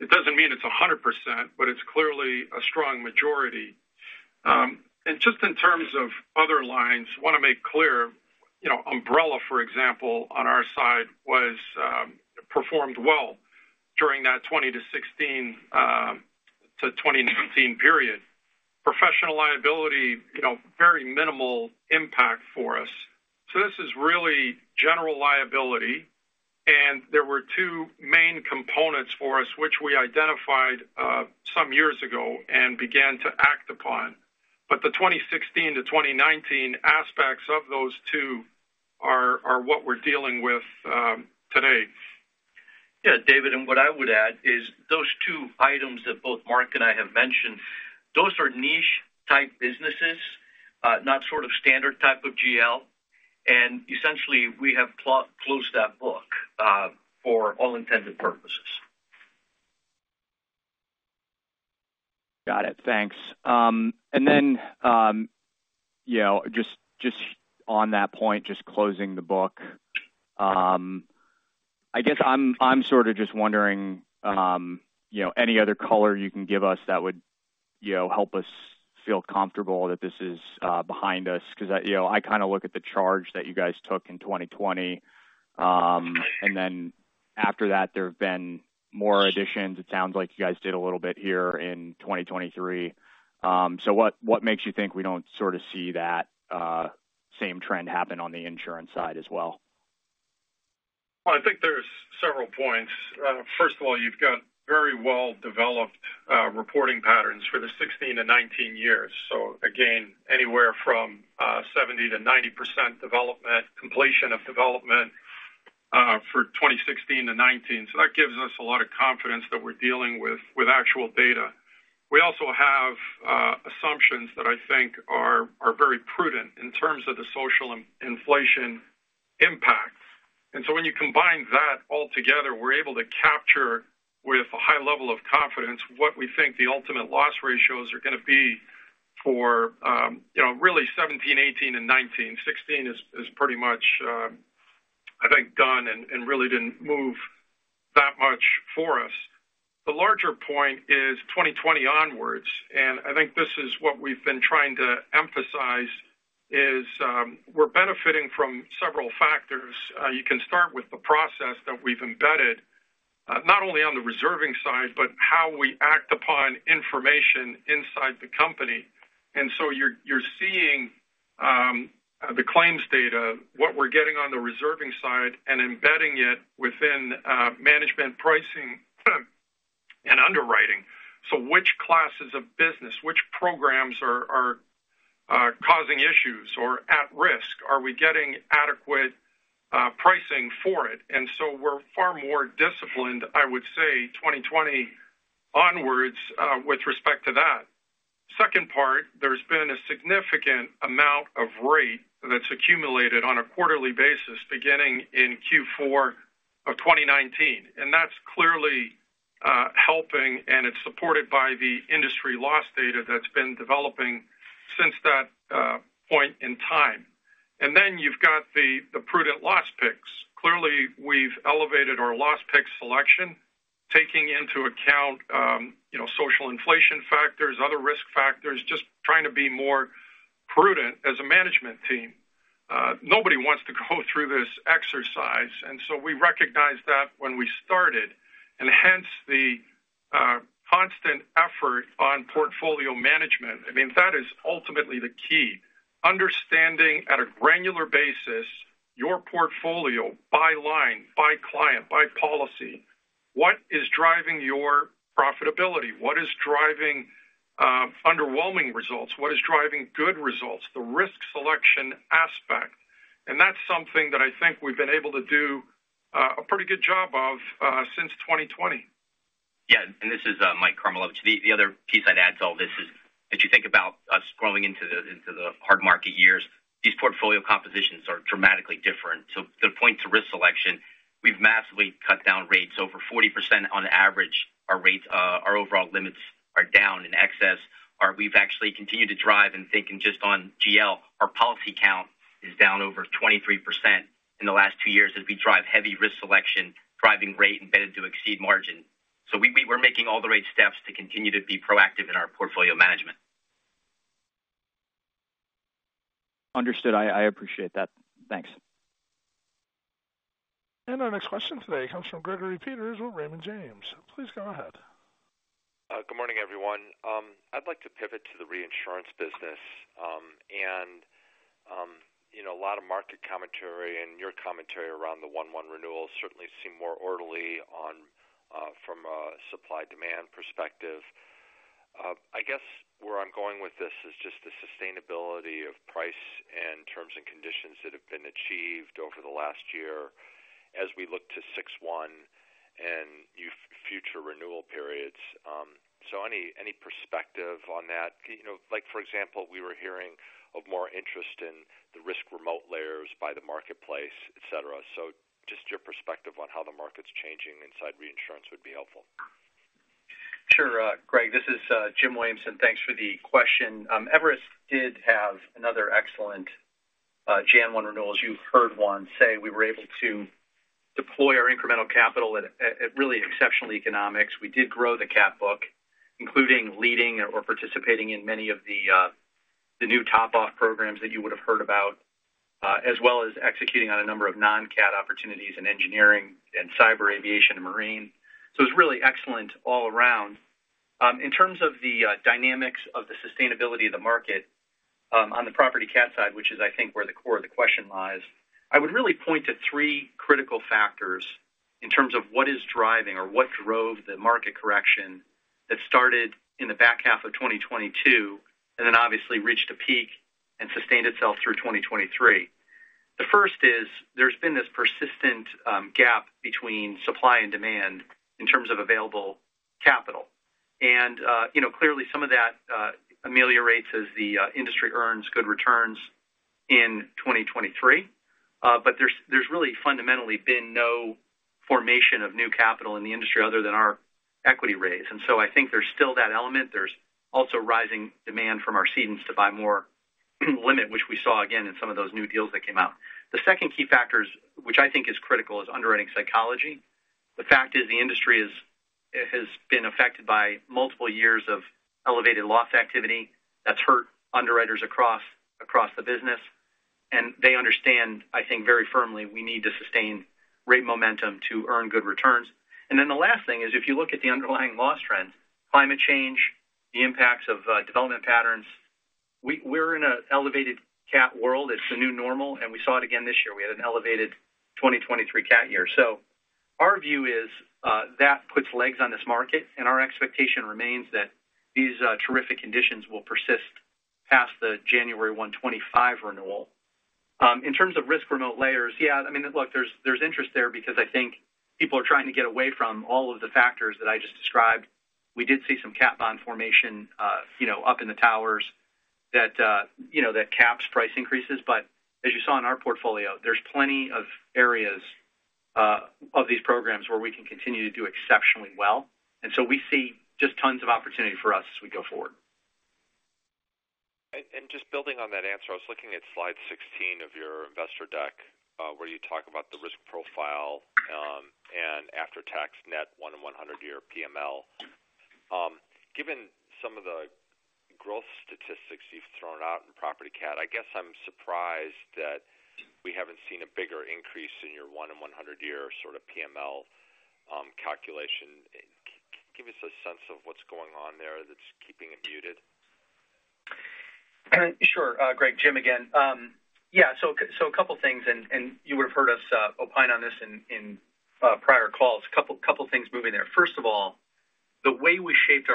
It doesn't mean it's 100%, but it's clearly a strong majority. And just in terms of other lines, I want to make clear, you know, umbrella, for example, on our side, was performed well during that 2016 to 2019 period. Professional liability, you know, very minimal impact for us. So this is really general liability, and there were two main components for us, which we identified some years ago and began to act upon. But the 2016 to 2019 aspects of those two are what we're dealing with today. Yeah, David, and what I would add is those two items that both Mark and I have mentioned, those are niche-type businesses, not sort of standard type of GL, and essentially, we have closed that book, for all intended purposes. Got it. Thanks. And then, you know, just, just on that point, just closing the book. I guess I'm, I'm sort of just wondering, you know, any other color you can give us that would, you know, help us feel comfortable that this is, behind us? Because, you know, I kind of look at the charge that you guys took in 2020, and then after that, there have been more additions. It sounds like you guys did a little bit here in 2023. So what, what makes you think we don't sort of see that, same trend happen on the insurance side as well? Well, I think there's several points. First of all, you've got very well-developed reporting patterns for the 2016-2019 years. So again, anywhere from 70%-90% development, completion of development, for 2016-2019. So that gives us a lot of confidence that we're dealing with actual data. We also have assumptions that I think are very prudent in terms of the social inflation impacts. And so when you combine that all together, we're able to capture with a high level of confidence what we think the ultimate loss ratios are going to be for, you know, really 2017, 2018, and 2019. 2016 is pretty much, I think, done and really didn't move that much for us. The larger point is 2020 onwards, and I think this is what we've been trying to emphasize, is we're benefiting from several factors. You can start with the process that we've embedded, not only on the reserving side, but how we act upon information inside the company. And so you're seeing the claims data, what we're getting on the reserving side, and embedding it within management, pricing, and underwriting. So which classes of business, which programs are causing issues or at risk? Are we getting adequate pricing for it? And so we're far more disciplined, I would say, 2020 onwards, with respect to that. Second part, there's been a significant amount of rate that's accumulated on a quarterly basis, beginning in Q4 of 2019, and that's clearly helping, and it's supported by the industry loss data that's been developing since that point in time. And then you've got the prudent loss picks. Clearly, we've elevated our loss pick selection, taking into account you know, social inflation factors, other risk factors, just trying to be more prudent as a management team. Nobody wants to go through this exercise, and so we recognized that when we started, and hence the constant effort on portfolio management. I mean, that is ultimately the key: understanding at a granular basis, your portfolio by line, by client, by policy. What is driving your profitability? What is driving underwhelming results? What is driving good results? The risk selection aspect, and that's something that I think we've been able to do a pretty good job of since 2020. Yeah, and this is Mike Karmilowicz. The other piece I'd add to all this is, if you think about us growing into the hard market years, these portfolio compositions are dramatically different. To point to risk selection, we've massively cut down rates. Over 40% on average, our rates, our overall limits are down in excess, or we've actually continued to drive and thinking just on GL, our policy count is down over 23% in the last two years as we drive heavy risk selection, driving rate embedded to exceed margin. So we're making all the right steps to continue to be proactive in our portfolio management. Understood. I appreciate that. Thanks. Our next question today comes from Gregory Peters with Raymond James. Please go ahead. Good morning, everyone. I'd like to pivot to the reinsurance business. You know, a lot of market commentary and your commentary around the 1/1 renewals certainly seem more orderly on from a supply-demand perspective. I guess where I'm going with this is just the sustainability of price and terms and conditions that have been achieved over the last year as we look to 6/1 and future renewal periods. So any perspective on that? You know, like, for example, we were hearing of more interest in the risk remote layers by the marketplace, et cetera. So just your perspective on how the market's changing inside reinsurance would be helpful. Sure, Greg, this is Jim Williamson, thanks for the question. Everest did have another excellent Jan. 1 renewals. You've heard Juan say we were able to deploy our incremental capital at really exceptional economics. We did grow the cat book, including leading or participating in many of the new top-off programs that you would have heard about, as well as executing on a number of non-cat opportunities in engineering and cyber, aviation and marine. So it's really excellent all around. In terms of the dynamics of the sustainability of the market, on the property cat side, which is, I think, where the core of the question lies, I would really point to three critical factors in terms of what is driving or what drove the market correction that started in the back half of 2022, and then obviously reached a peak and sustained itself through 2023. The first is, there's been this persistent gap between supply and demand in terms of available capital. And you know, clearly, some of that ameliorates as the industry earns good returns in 2023. But there's really fundamentally been no formation of new capital in the industry other than our equity raise. So I think there's still that element. There's also rising demand from our cedents to buy more limit, which we saw again in some of those new deals that came out. The second key factors, which I think is critical, is underwriting psychology. The fact is, the industry is it has been affected by multiple years of elevated loss activity that's hurt underwriters across the business, and they understand, I think, very firmly, we need to sustain rate momentum to earn good returns. And then the last thing is, if you look at the underlying loss trends, climate change, the impacts of development patterns, we're in an elevated cat world. It's the new normal, and we saw it again this year. We had an elevated 2023 cat year. So our view is, that puts legs on this market, and our expectation remains that these terrific conditions will persist past the January 1, 2025 renewal. In terms of risk remote layers, yeah, I mean, look, there's, there's interest there because I think people are trying to get away from all of the factors that I just described. We did see some cat bond formation, you know, up in the towers that, you know, that caps price increases. But as you saw in our portfolio, there's plenty of areas, of these programs where we can continue to do exceptionally well. And so we see just tons of opportunity for us as we go forward. Just building on that answer, I was looking at Slide 16 of your investor deck, where you talk about the risk profile, and after-tax net 1-in-100-year PML. Given some of the growth statistics you've thrown out in property cat, I guess I'm surprised that we haven't seen a bigger increase in your 1-in-100-year sort of PML, calculation. Give us a sense of what's going on there that's keeping it muted. Sure, Greg, Jim, again. Yeah, so a couple things, and you would have heard us opine on this in prior calls. A couple things moving there. First of all, the way we shaped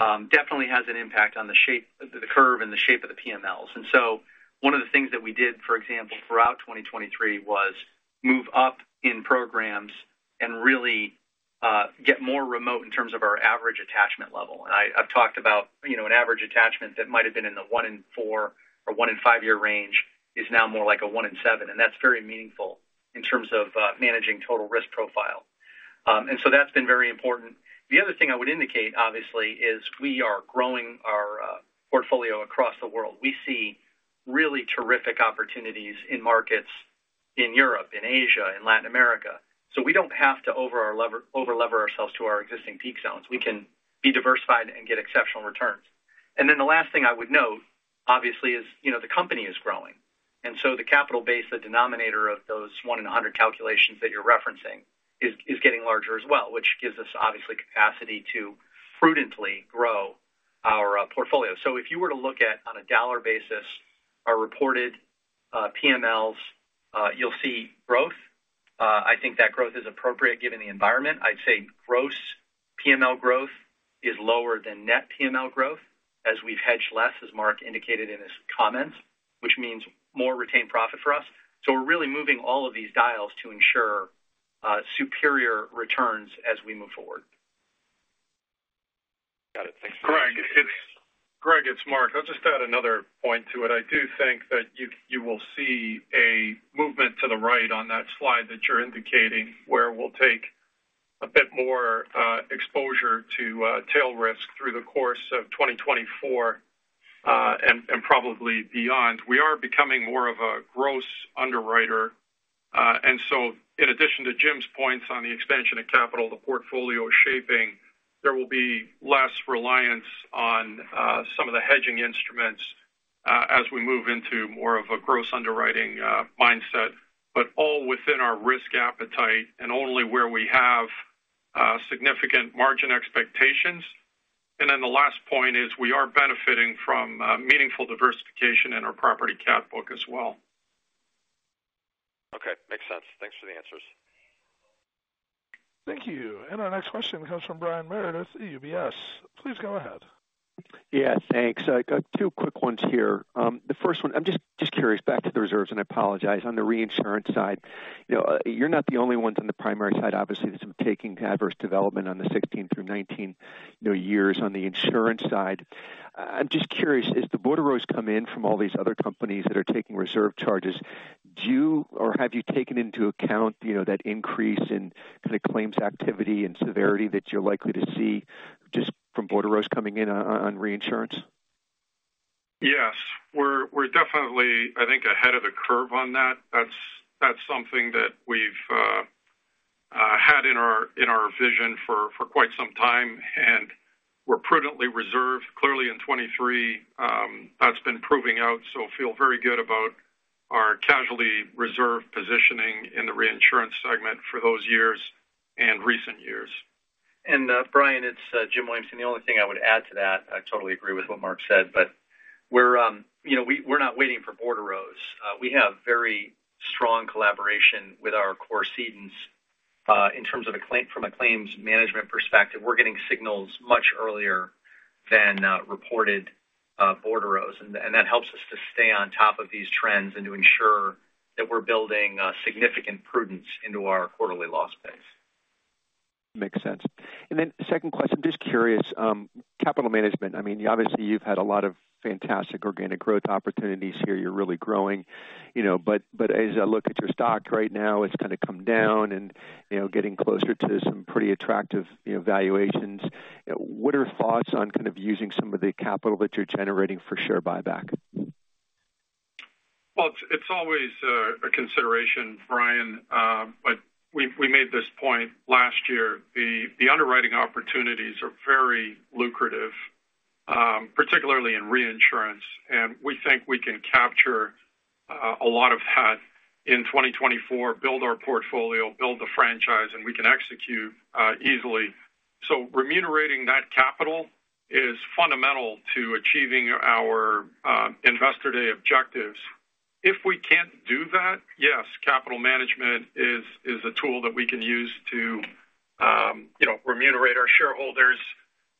our portfolio definitely has an impact on the shape, the curve and the shape of the PMLs. And so one of the things that we did, for example, throughout 2023, was move up in programs and really get more remote in terms of our average attachment level. And I've talked about, you know, an average attachment that might have been in the 1-in-4 or 1-in-5 year range, is now more like a 1-in-7, and that's very meaningful in terms of managing total risk profile. And so that's been very important. The other thing I would indicate, obviously, is we are growing our portfolio across the world. We see really terrific opportunities in markets in Europe, in Asia, in Latin America. So we don't have to over-lever ourselves to our existing peak zones. We can be diversified and get exceptional returns. And then the last thing I would note, obviously, is, you know, the company is growing, and so the capital base, the denominator of those 1-in-100 calculations that you're referencing, is getting larger as well, which gives us, obviously, capacity to prudently grow our portfolio. So if you were to look at, on a dollar basis, our reported PMLs, you'll see growth. I think that growth is appropriate given the environment. I'd say gross PML growth is lower than net PML growth as we've hedged less, as Mark indicated in his comments, which means more retained profit for us. So we're really moving all of these dials to ensure superior returns as we move forward. Got it. Thanks. Greg, it's Greg, it's Mark. I'll just add another point to it. I do think that you, you will see a movement to the right on that slide that you're indicating, where we'll take a bit more, exposure to, tail risk through the course of 2024, and, and probably beyond. We are becoming more of a gross underwriter. And so in addition to Jim's points on the expansion of capital, the portfolio shaping, there will be less reliance on, some of the hedging instruments, as we move into more of a gross underwriting, mindset, but all within our risk appetite and only where we have, significant margin expectations. And then the last point is, we are benefiting from, meaningful diversification in our property cat book as well. Okay, makes sense. Thanks for the answers. Thank you. Our next question comes from Brian Meredith, UBS. Please go ahead. Yeah, thanks. I got two quick ones here. The first one, I'm just curious, back to the reserves, and I apologize. On the reinsurance side, you know, you're not the only ones on the primary side, obviously, that's taking adverse development on the 2016 through 2019, you know, years on the insurance side. I'm just curious, as the bordereaux come in from all these other companies that are taking reserve charges, do you or have you taken into account, you know, that increase in kind of claims activity and severity that you're likely to see just from bordereaux coming in on, on reinsurance? Yes. We're, we're definitely, I think, ahead of the curve on that. That's, that's something that we've had in our, in our vision for, for quite some time, and we're prudently reserved. Clearly, in 2023, that's been proving out, so feel very good about our casualty reserve positioning in the reinsurance segment for those years and recent years. Brian, it's Jim Williamson. The only thing I would add to that, I totally agree with what Mark said, but we're, you know, we're not waiting for bordereaux. We have very strong collaboration with our core cedants, you know, in terms of a claims management perspective. We're getting signals much earlier than reported bordereaux, and that helps us to stay on top of these trends and to ensure that we're building significant prudence into our quarterly loss base. Makes sense. And then the second question, just curious, capital management. I mean, obviously, you've had a lot of fantastic organic growth opportunities here. You're really growing, you know, but as I look at your stock right now, it's kind of come down and, you know, getting closer to some pretty attractive, you know, valuations. What are your thoughts on kind of using some of the capital that you're generating for share buyback? Well, it's always a consideration, Brian, but we made this point last year. The underwriting opportunities are very lucrative, particularly in reinsurance, and we think we can capture a lot of that in 2024, build our portfolio, build the franchise, and we can execute easily. So remunerating that capital is fundamental to achieving our Investor Day objectives. If we can't do that, yes, capital management is a tool that we can use to, you know, remunerate our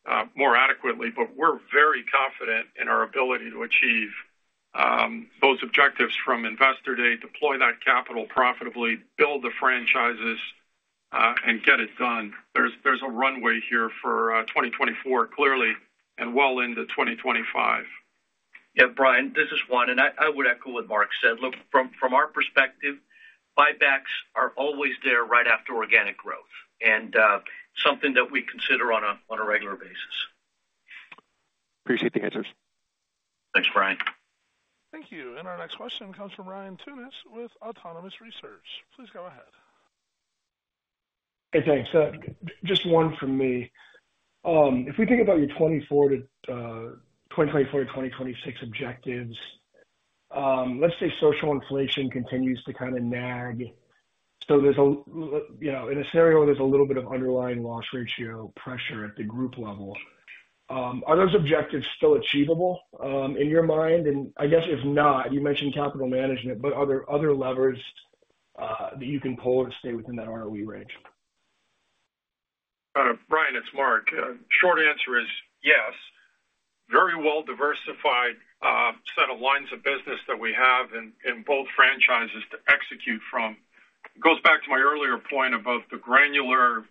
shareholders more adequately. But we're very confident in our ability to achieve those objectives from Investor Day, deploy that capital profitably, build the franchises, and get it done. There's a runway here for 2024, clearly, and well into 2025. Yeah, Brian, this is Juan, and I would echo what Mark said. Look, from our perspective, buybacks are always there right after organic growth, and something that we consider on a regular basis. Appreciate the answers. Thanks, Brian. Thank you. And our next question comes from Ryan Tunis with Autonomous Research. Please go ahead. Hey, thanks. Just one from me. If we think about your 2024 to 2026 objectives—let's say social inflation continues to kind of nag. So there's a, you know, in a scenario, there's a little bit of underlying loss ratio pressure at the group level. Are those objectives still achievable, in your mind? And I guess, if not, you mentioned capital management, but are there other levers that you can pull to stay within that ROE range? Brian, it's Mark. Short answer is yes. Very well diversified set of lines of business that we have in both franchises to execute from. It goes back to my earlier point about the granular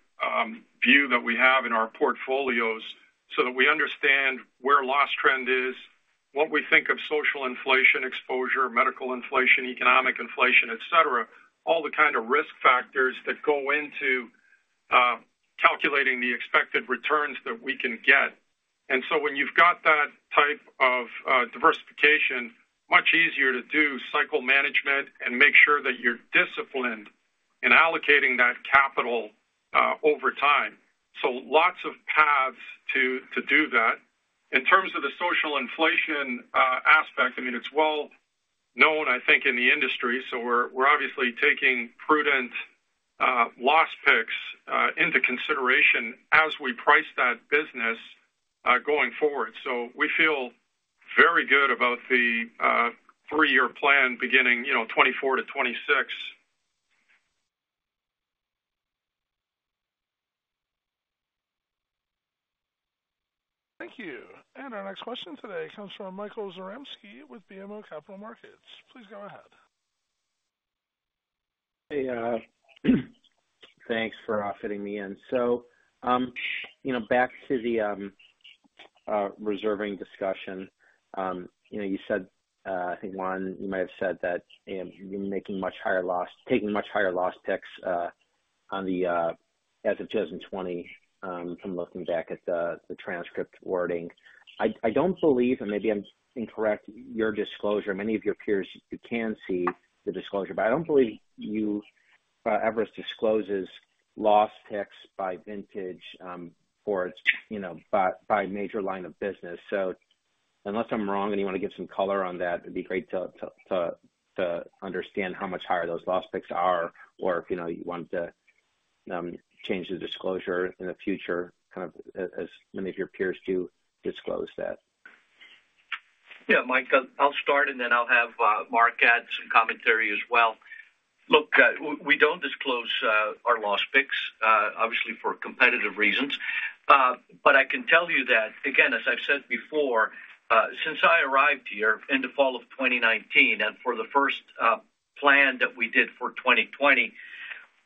view that we have in our portfolios, so that we understand where loss trend is, what we think of social inflation exposure, medical inflation, economic inflation, et cetera, all the kind of risk factors that go into calculating the expected returns that we can get. And so when you've got that type of diversification, much easier to do cycle management and make sure that you're disciplined in allocating that capital over time. So lots of paths to do that. In terms of the social inflation aspect, I mean, it's well known, I think, in the industry, so we're obviously taking prudent loss picks into consideration as we price that business going forward. So we feel very good about the three-year plan beginning, you know, 2024-2026. Thank you. Our next question today comes from Michael Zaremski with BMO Capital Markets. Please go ahead. Hey, thanks for fitting me in. So, you know, back to the reserving discussion, you know, you said, I think, Juan, you might have said that, you're making much higher loss-- taking much higher loss picks, on the as of 2020, from looking back at the transcript wording. I don't believe, and maybe I'm incorrect, your disclosure, many of your peers, you can see the disclosure, but I don't believe you, Everest discloses loss picks by vintage, or it's, you know, by major line of business. So unless I'm wrong, and you wanna give some color on that, it'd be great to understand how much higher those loss picks are, or if, you know, you want to change the disclosure in the future, kind of as many of your peers do disclose that. Yeah, Mike, I'll start, and then I'll have Mark add some commentary as well. Look, we don't disclose our loss picks, obviously, for competitive reasons. But I can tell you that, again, as I've said before, since I arrived here in the fall of 2019, and for the first plan that we did for 2020,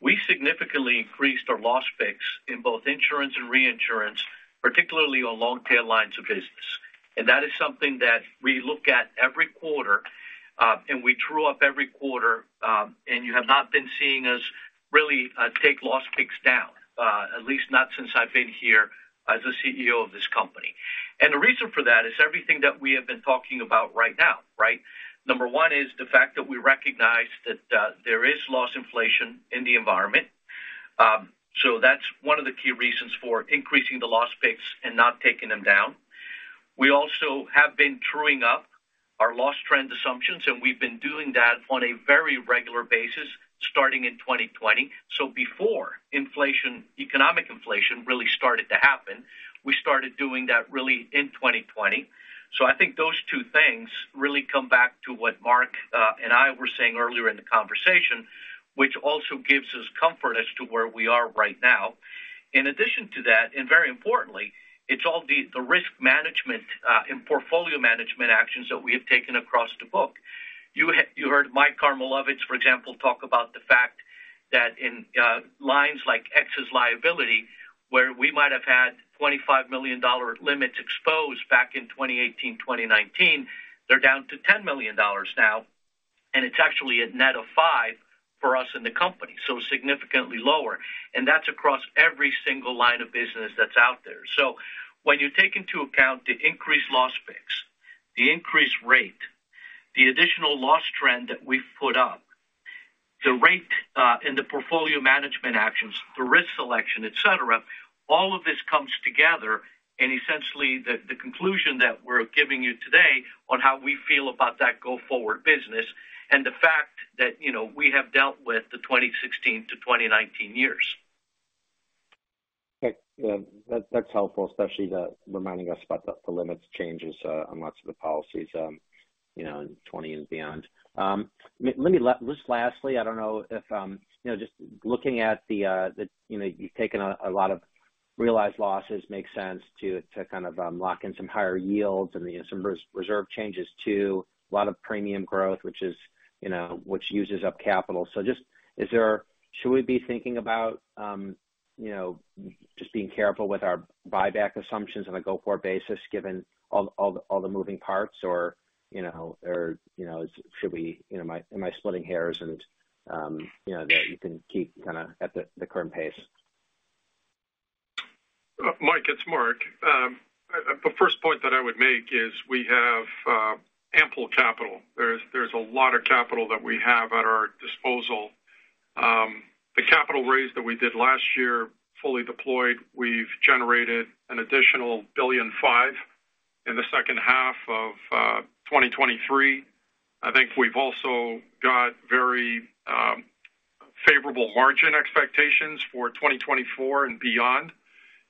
we significantly increased our loss picks in both insurance and reinsurance, particularly on long tail lines of business. And that is something that we look at every quarter, and we true up every quarter, and you have not been seeing us really take loss picks down, at least not since I've been here as the CEO of this company. And the reason for that is everything that we have been talking about right now, right? Number one is the fact that we recognize that there is loss inflation in the environment. So that's one of the key reasons for increasing the loss picks and not taking them down. We also have been truing up our loss trend assumptions, and we've been doing that on a very regular basis, starting in 2020. So before inflation, economic inflation really started to happen, we started doing that really in 2020. So I think those two things really come back to what Mark and I were saying earlier in the conversation, which also gives us comfort as to where we are right now. In addition to that, and very importantly, it's all the risk management and portfolio management actions that we have taken across the book. You heard Mike Karmilowicz, for example, talk about the fact that in lines like excess liability, where we might have had $25 million limits exposed back in 2018, 2019, they're down to $10 million now, and it's actually a net of $5 million for us in the company, so significantly lower. And that's across every single line of business that's out there. So when you take into account the increased loss picks, the increased rate, the additional loss trend that we've put up, the rate, and the portfolio management actions, the risk selection, et cetera, all of this comes together, and essentially, the conclusion that we're giving you today on how we feel about that go-forward business and the fact that, you know, we have dealt with the 2016 to 2019 years. Okay. Yeah, that's, that's helpful, especially the reminding us about the, the limits changes, on lots of the policies, you know, in 2020 and beyond. Just lastly, I don't know if, you know, just looking at the, the, you know, you've taken a lot of realized losses, makes sense to kind of lock in some higher yields and, you know, some reserve changes, too. A lot of premium growth, which is, you know, which uses up capital. So just... should we be thinking about, you know, just being careful with our buyback assumptions on a go-forward basis, given all, all, all the moving parts? Or, you know, or, you know, should we, you know, am I splitting hairs and, you know, that you can keep kind of at the current pace? Mike, it's Mark. The first point that I would make is we have ample capital. There is, there's a lot of capital that we have at our disposal, capital raise that we did last year, fully deployed, we've generated an additional $1.5 billion in the second half of 2023. I think we've also got very favorable margin expectations for 2024 and beyond.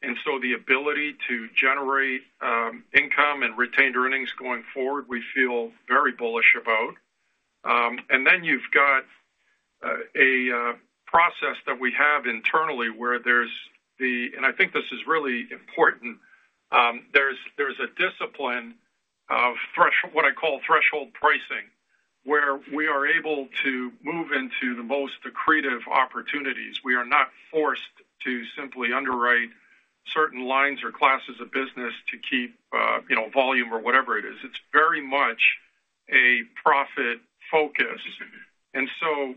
And so the ability to generate income and retained earnings going forward, we feel very bullish about. And then you've got a process that we have internally, and I think this is really important, there's a discipline of what I call threshold pricing, where we are able to move into the most accretive opportunities. We are not forced to simply underwrite certain lines or classes of business to keep, you know, volume or whatever it is. It's very much a profit focus. And so,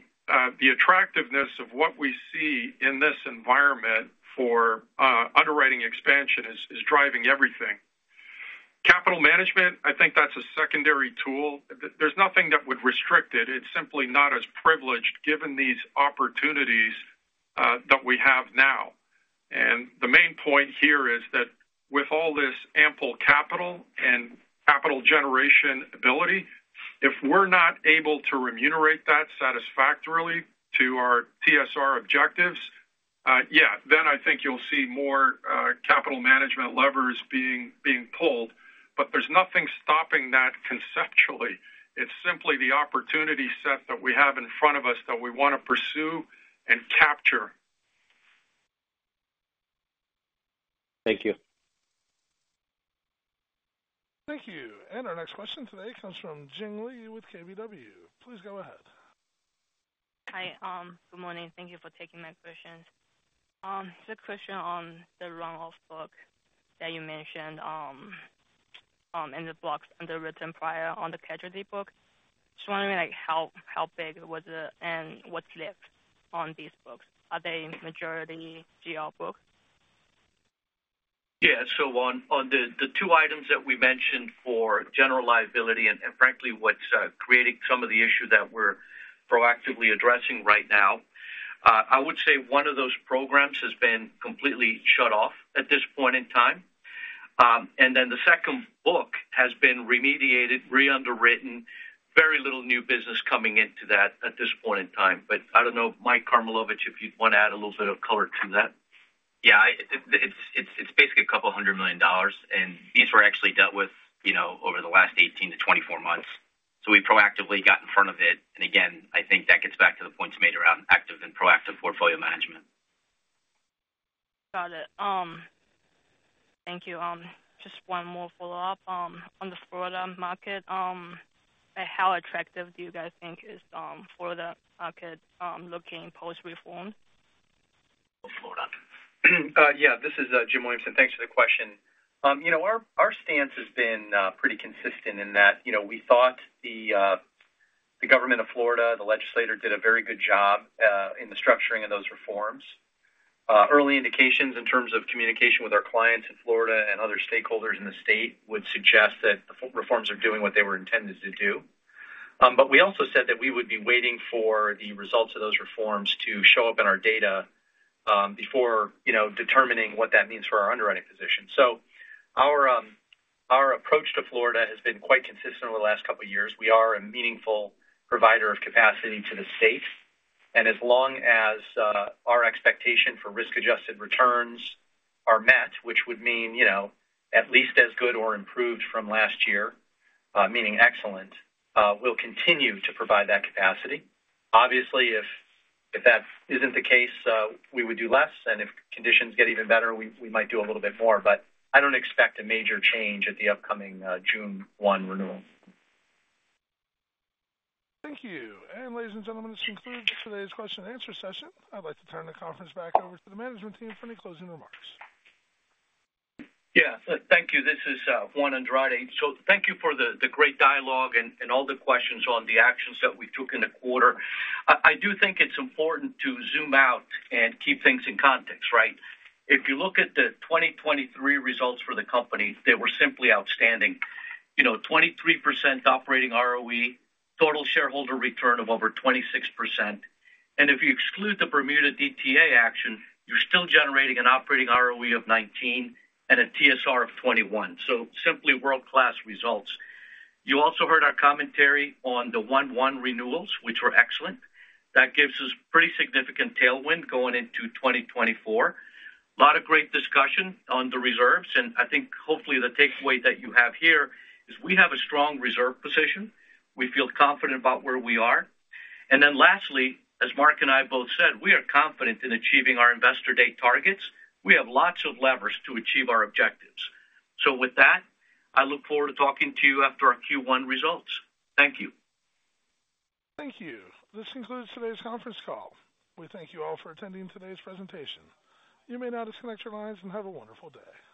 the attractiveness of what we see in this environment for, underwriting expansion is driving everything. Capital management, I think that's a secondary tool. There's nothing that would restrict it. It's simply not as privileged given these opportunities, that we have now. And the main point here is that with all this ample capital and capital generation ability, if we're not able to remunerate that satisfactorily to our TSR objectives, yeah, then I think you'll see more, capital management levers being pulled. But there's nothing stopping that conceptually. It's simply the opportunity set that we have in front of us that we want to pursue and capture. Thank you. Thank you. Our next question today comes from Jing Li with KBW. Please go ahead. Hi, good morning. Thank you for taking my questions. The question on the run-off book that you mentioned, in the blocks underwritten prior on the casualty book. Just wondering, like, how big was it and what's left on these books? Are they majority GL books? Yeah. So on the two items that we mentioned for general liability and frankly what's creating some of the issue that we're proactively addressing right now, I would say one of those programs has been completely shut off at this point in time. And then the second book has been remediated, reunderwritten, very little new business coming into that at this point in time. But I don't know, Mike Karmilowicz, if you'd want to add a little bit of color to that? Yeah, it's basically $200 million, and these were actually dealt with, you know, over the last 18-24 months. So we proactively got in front of it. And again, I think that gets back to the points made around active and proactive portfolio management. Got it. Thank you. Just one more follow-up. On the Florida market, how attractive do you guys think is, Florida market, looking post-reform? Florida. Yeah, this is Jim Williamson. Thanks for the question. You know, our stance has been pretty consistent in that, you know, we thought the government of Florida, the legislature, did a very good job in the structuring of those reforms. Early indications in terms of communication with our clients in Florida and other stakeholders in the state would suggest that the reforms are doing what they were intended to do. But we also said that we would be waiting for the results of those reforms to show up in our data before determining what that means for our underwriting position. So our approach to Florida has been quite consistent over the last couple of years. We are a meaningful provider of capacity to the state, and as long as our expectation for risk-adjusted returns are met, which would mean, you know, at least as good or improved from last year, meaning excellent, we'll continue to provide that capacity. Obviously, if that isn't the case, we would do less, and if conditions get even better, we might do a little bit more, but I don't expect a major change at the upcoming June 1 renewal. Thank you. Ladies and gentlemen, this concludes today's question and answer session. I'd like to turn the conference back over to the management team for any closing remarks. Yeah, thank you. This is Juan Andrade. So thank you for the great dialogue and all the questions on the actions that we took in the quarter. I do think it's important to zoom out and keep things in context, right? If you look at the 2023 results for the company, they were simply outstanding. You know, 23% operating ROE, total shareholder return of over 26%. And if you exclude the Bermuda DTA action, you're still generating an operating ROE of 19 and a TSR of 21. So simply world-class results. You also heard our commentary on the 1/1 renewals, which were excellent. That gives us pretty significant tailwind going into 2024. A lot of great discussion on the reserves, and I think hopefully the takeaway that you have here is we have a strong reserve position. We feel confident about where we are. Then lastly, as Mark and I both said, we are confident in achieving our Investor Day targets. We have lots of levers to achieve our objectives. With that, I look forward to talking to you after our Q1 results. Thank you. Thank you. This concludes today's conference call. We thank you all for attending today's presentation. You may now disconnect your lines and have a wonderful day.